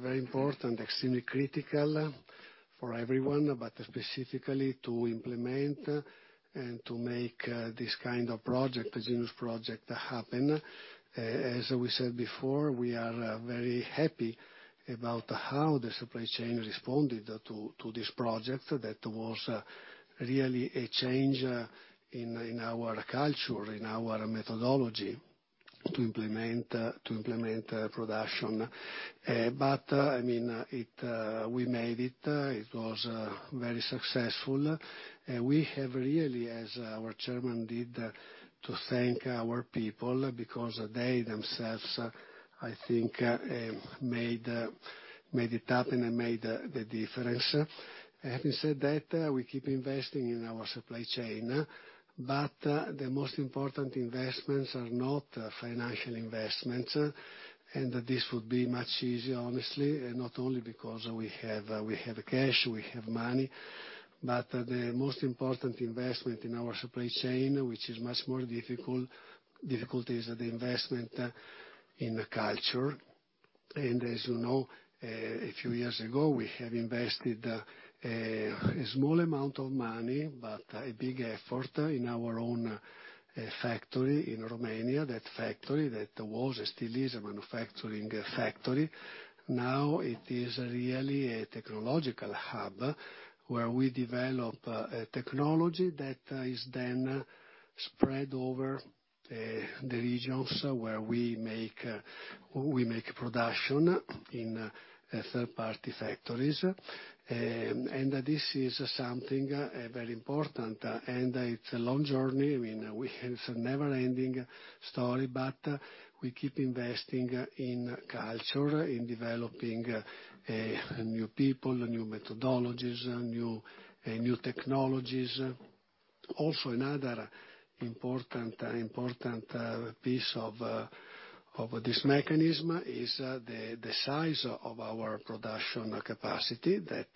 very important, extremely critical for everyone, but specifically to implement and to make this kind of project, the Genius project, happen. As we said before, we are very happy about how the supply chain responded to this project that was really a change in our culture, in our methodology to implement production. We made it. It was very successful. We have really, as our chairman did, to thank our people because they themselves, I think, made it happen and made the difference. Having said that, we keep investing in our supply chain. The most important investments are not financial investments, this would be much easier, honestly, not only because we have cash, we have money, the most important investment in our supply chain, which is much more difficult, is the investment in the culture. As you know, a few years ago, we have invested a small amount of money but a big effort in our own factory in Romania. That factory that was, still is, a manufacturing factory. Now it is really a technological hub where we develop technology that is then spread over the regions where we make production in third-party factories. This is something very important, it's a long journey. It's a never-ending story, we keep investing in culture, in developing new people, new methodologies, new technologies. Another important piece of this mechanism is the size of our production capacity that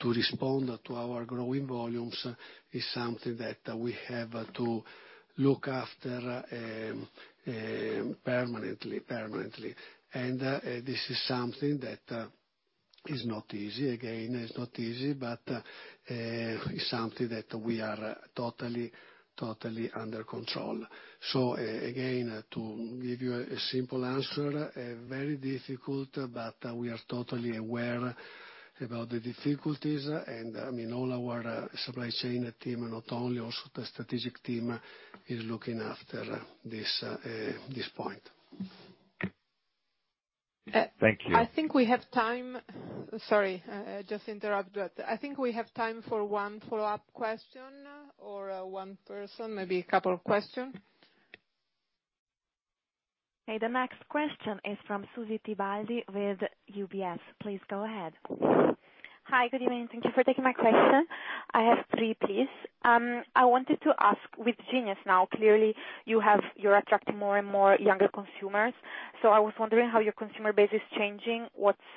to respond to our growing volumes is something that we have to look after permanently. This is something that is not easy. Again, it's not easy, but it's something that we are totally under control. Again, to give you a simple answer, very difficult, but we are totally aware about the difficulties and all our supply chain team, and not only also the strategic team, is looking after this point. Thank you. I think we have time Sorry, just interrupt. I think we have time for one follow-up question or one person, maybe a couple of questions. The next question is from Susy Tibaldi with UBS. Please go ahead. Hi, good evening. Thank you for taking my question. I have three, please. I wanted to ask with Moncler Genius now, clearly, you are attracting more and more younger consumers. I was wondering how your consumer base is changing.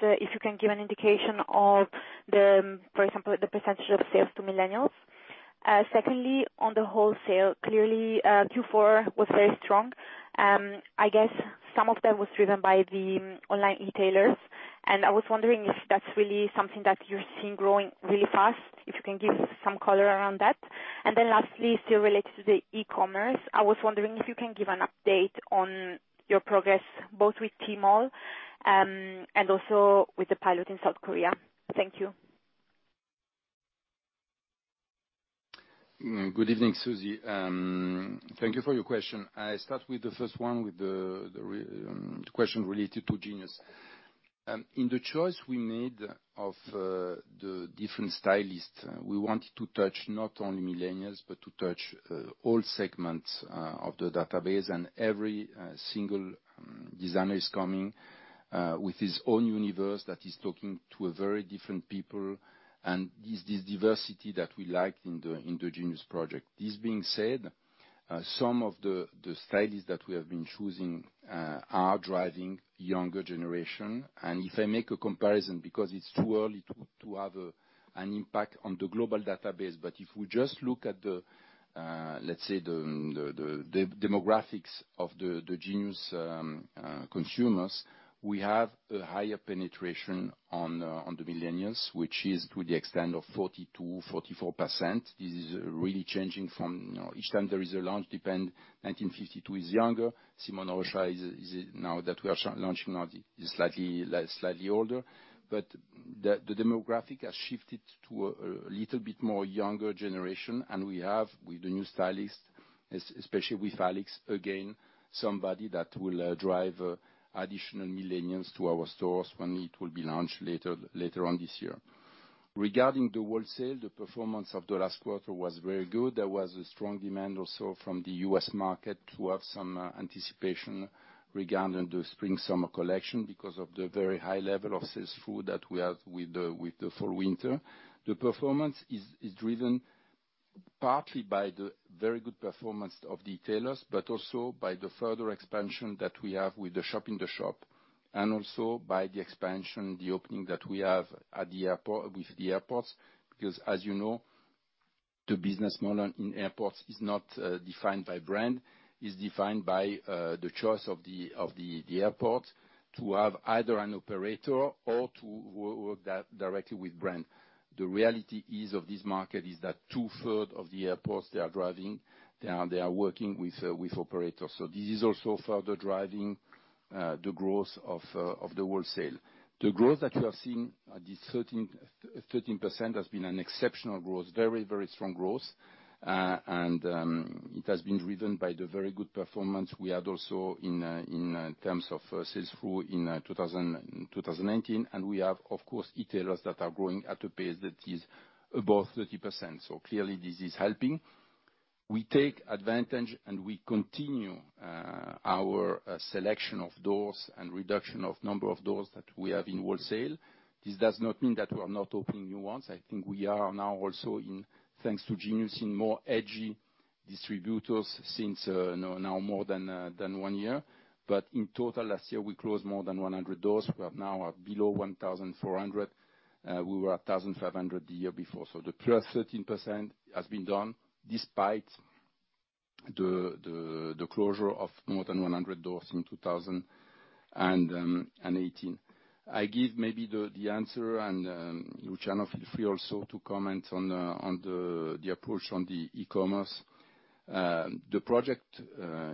If you can give an indication of the, for example, the percentage of sales to millennials. Secondly, on the wholesale, clearly, Q4 was very strong. I guess some of that was driven by the online e-tailers. I was wondering if that is really something that you are seeing growing really fast, if you can give some color around that. Lastly, still related to the e-commerce, I was wondering if you can give an update on your progress, both with Tmall, and also with the pilot in South Korea. Thank you. Good evening, Susy. Thank you for your question. I start with the first one, with the question related to Moncler Genius. In the choice we made of the different stylists, we wanted to touch not only millennials but to touch all segments of the database. Every single designer is coming with his own universe that is talking to a very different people, and it is this diversity that we like in the Moncler Genius project. This being said, some of the stylists that we have been choosing are driving younger generation. If I make a comparison, because it is too early to have an impact on the global database, but if we just look at the, let us say, the demographics of the Moncler Genius consumers, we have a higher penetration on the millennials, which is to the extent of 42%-44%. This is really changing from, each time there is a launch, depend. 1952 is younger. Simone Rocha is now that we are launching now, is slightly older. The demographic has shifted to a little bit more younger generation, and we have with the new stylist. Especially with Alix, again, somebody that will drive additional millennials to our stores when it will be launched later on this year. Regarding the wholesale, the performance of the last quarter was very good. There was a strong demand also from the U.S. market to have some anticipation regarding the spring-summer collection because of the very high level of sell-through that we had with the fall-winter. The performance is driven partly by the very good performance of retailers, also by the further expansion that we have with the shop in the shop, and also by the expansion, the opening that we have with the airports, because as you know, the business model in airports is not defined by brand, it is defined by the choice of the airport to have either an operator or to work directly with brand. The reality of this market is that two-thirds of the airports, they are working with operators. This is also further driving the growth of the wholesale. The growth that you have seen, this 13% has been an exceptional growth, very strong growth. It has been driven by the very good performance we had also in terms of sell-through in 2019. We have, of course, retailers that are growing at a pace that is above 30%. Clearly this is helping. We take advantage and we continue our selection of doors and reduction of number of doors that we have in wholesale. This does not mean that we are not opening new ones. I think we are now also in, thanks to Moncler Genius, in more edgy distributors since now more than one year. In total, last year we closed more than 100 doors. We are now at below 1,400. We were 1,500 the year before. The +13% has been done despite the closure of more than 100 doors in 2018. I give maybe the answer and, Luciano Santel, feel free also to comment on the approach on the e-commerce. The project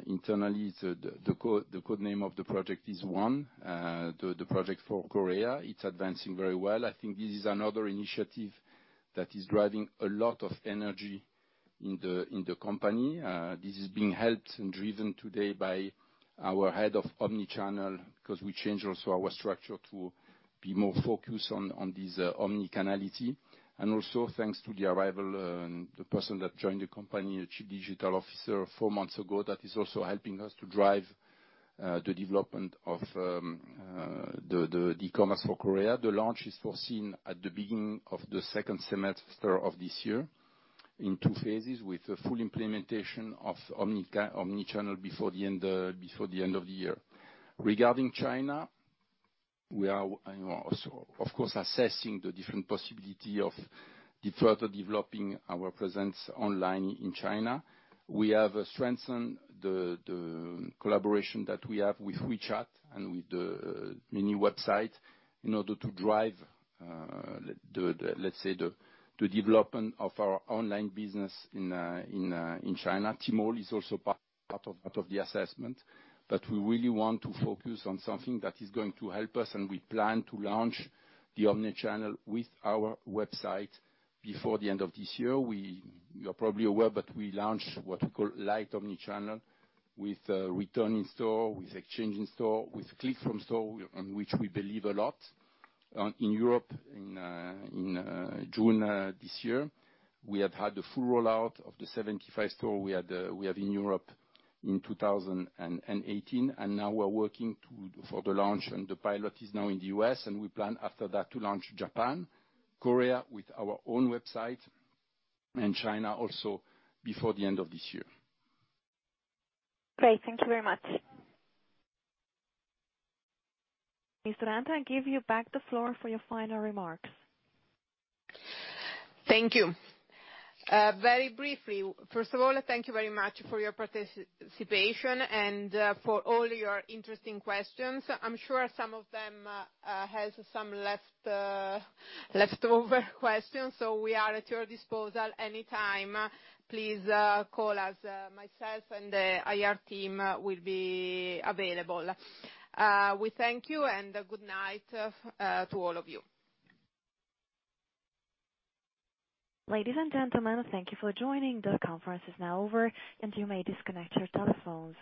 internally, the code name of the project is One. The project for Korea, it is advancing very well. I think this is another initiative that is driving a lot of energy in the company. This is being helped and driven today by our head of omnichannel because we changed also our structure to be more focused on this omnichannel. Also thanks to the arrival, the person that joined the company, the chief digital officer, four months ago, that is also helping us to drive the development of the e-commerce for Korea. The launch is foreseen at the beginning of the second semester of this year in two phases with a full implementation of omnichannel before the end of the year. Regarding China, we are also, of course, assessing the different possibility of further developing our presence online in China. We have strengthened the collaboration that we have with WeChat and with the mini website in order to drive, let's say, the development of our online business in China. Tmall is also part of the assessment. We really want to focus on something that is going to help us, and we plan to launch the omnichannel with our website before the end of this year. You are probably aware, we launched what you call light omnichannel with return in store, with exchange in store, with click from store, on which we believe a lot. In Europe in June this year, we have had the full rollout of the 75 stores we have in Europe in 2018. Now we are working for the launch, and the pilot is now in the U.S., and we plan after that to launch Japan, Korea with our own website, and China also before the end of this year. Great. Thank you very much. Ms. Durante, I give you back the floor for your final remarks. Thank you. Very briefly, first of all, thank you very much for your participation and for all your interesting questions. I'm sure some of them has some leftover questions, We are at your disposal anytime. Please call us. Myself and the IR team will be available. We thank you and good night to all of you. Ladies and gentlemen, thank you for joining. The conference is now over, You may disconnect your telephones.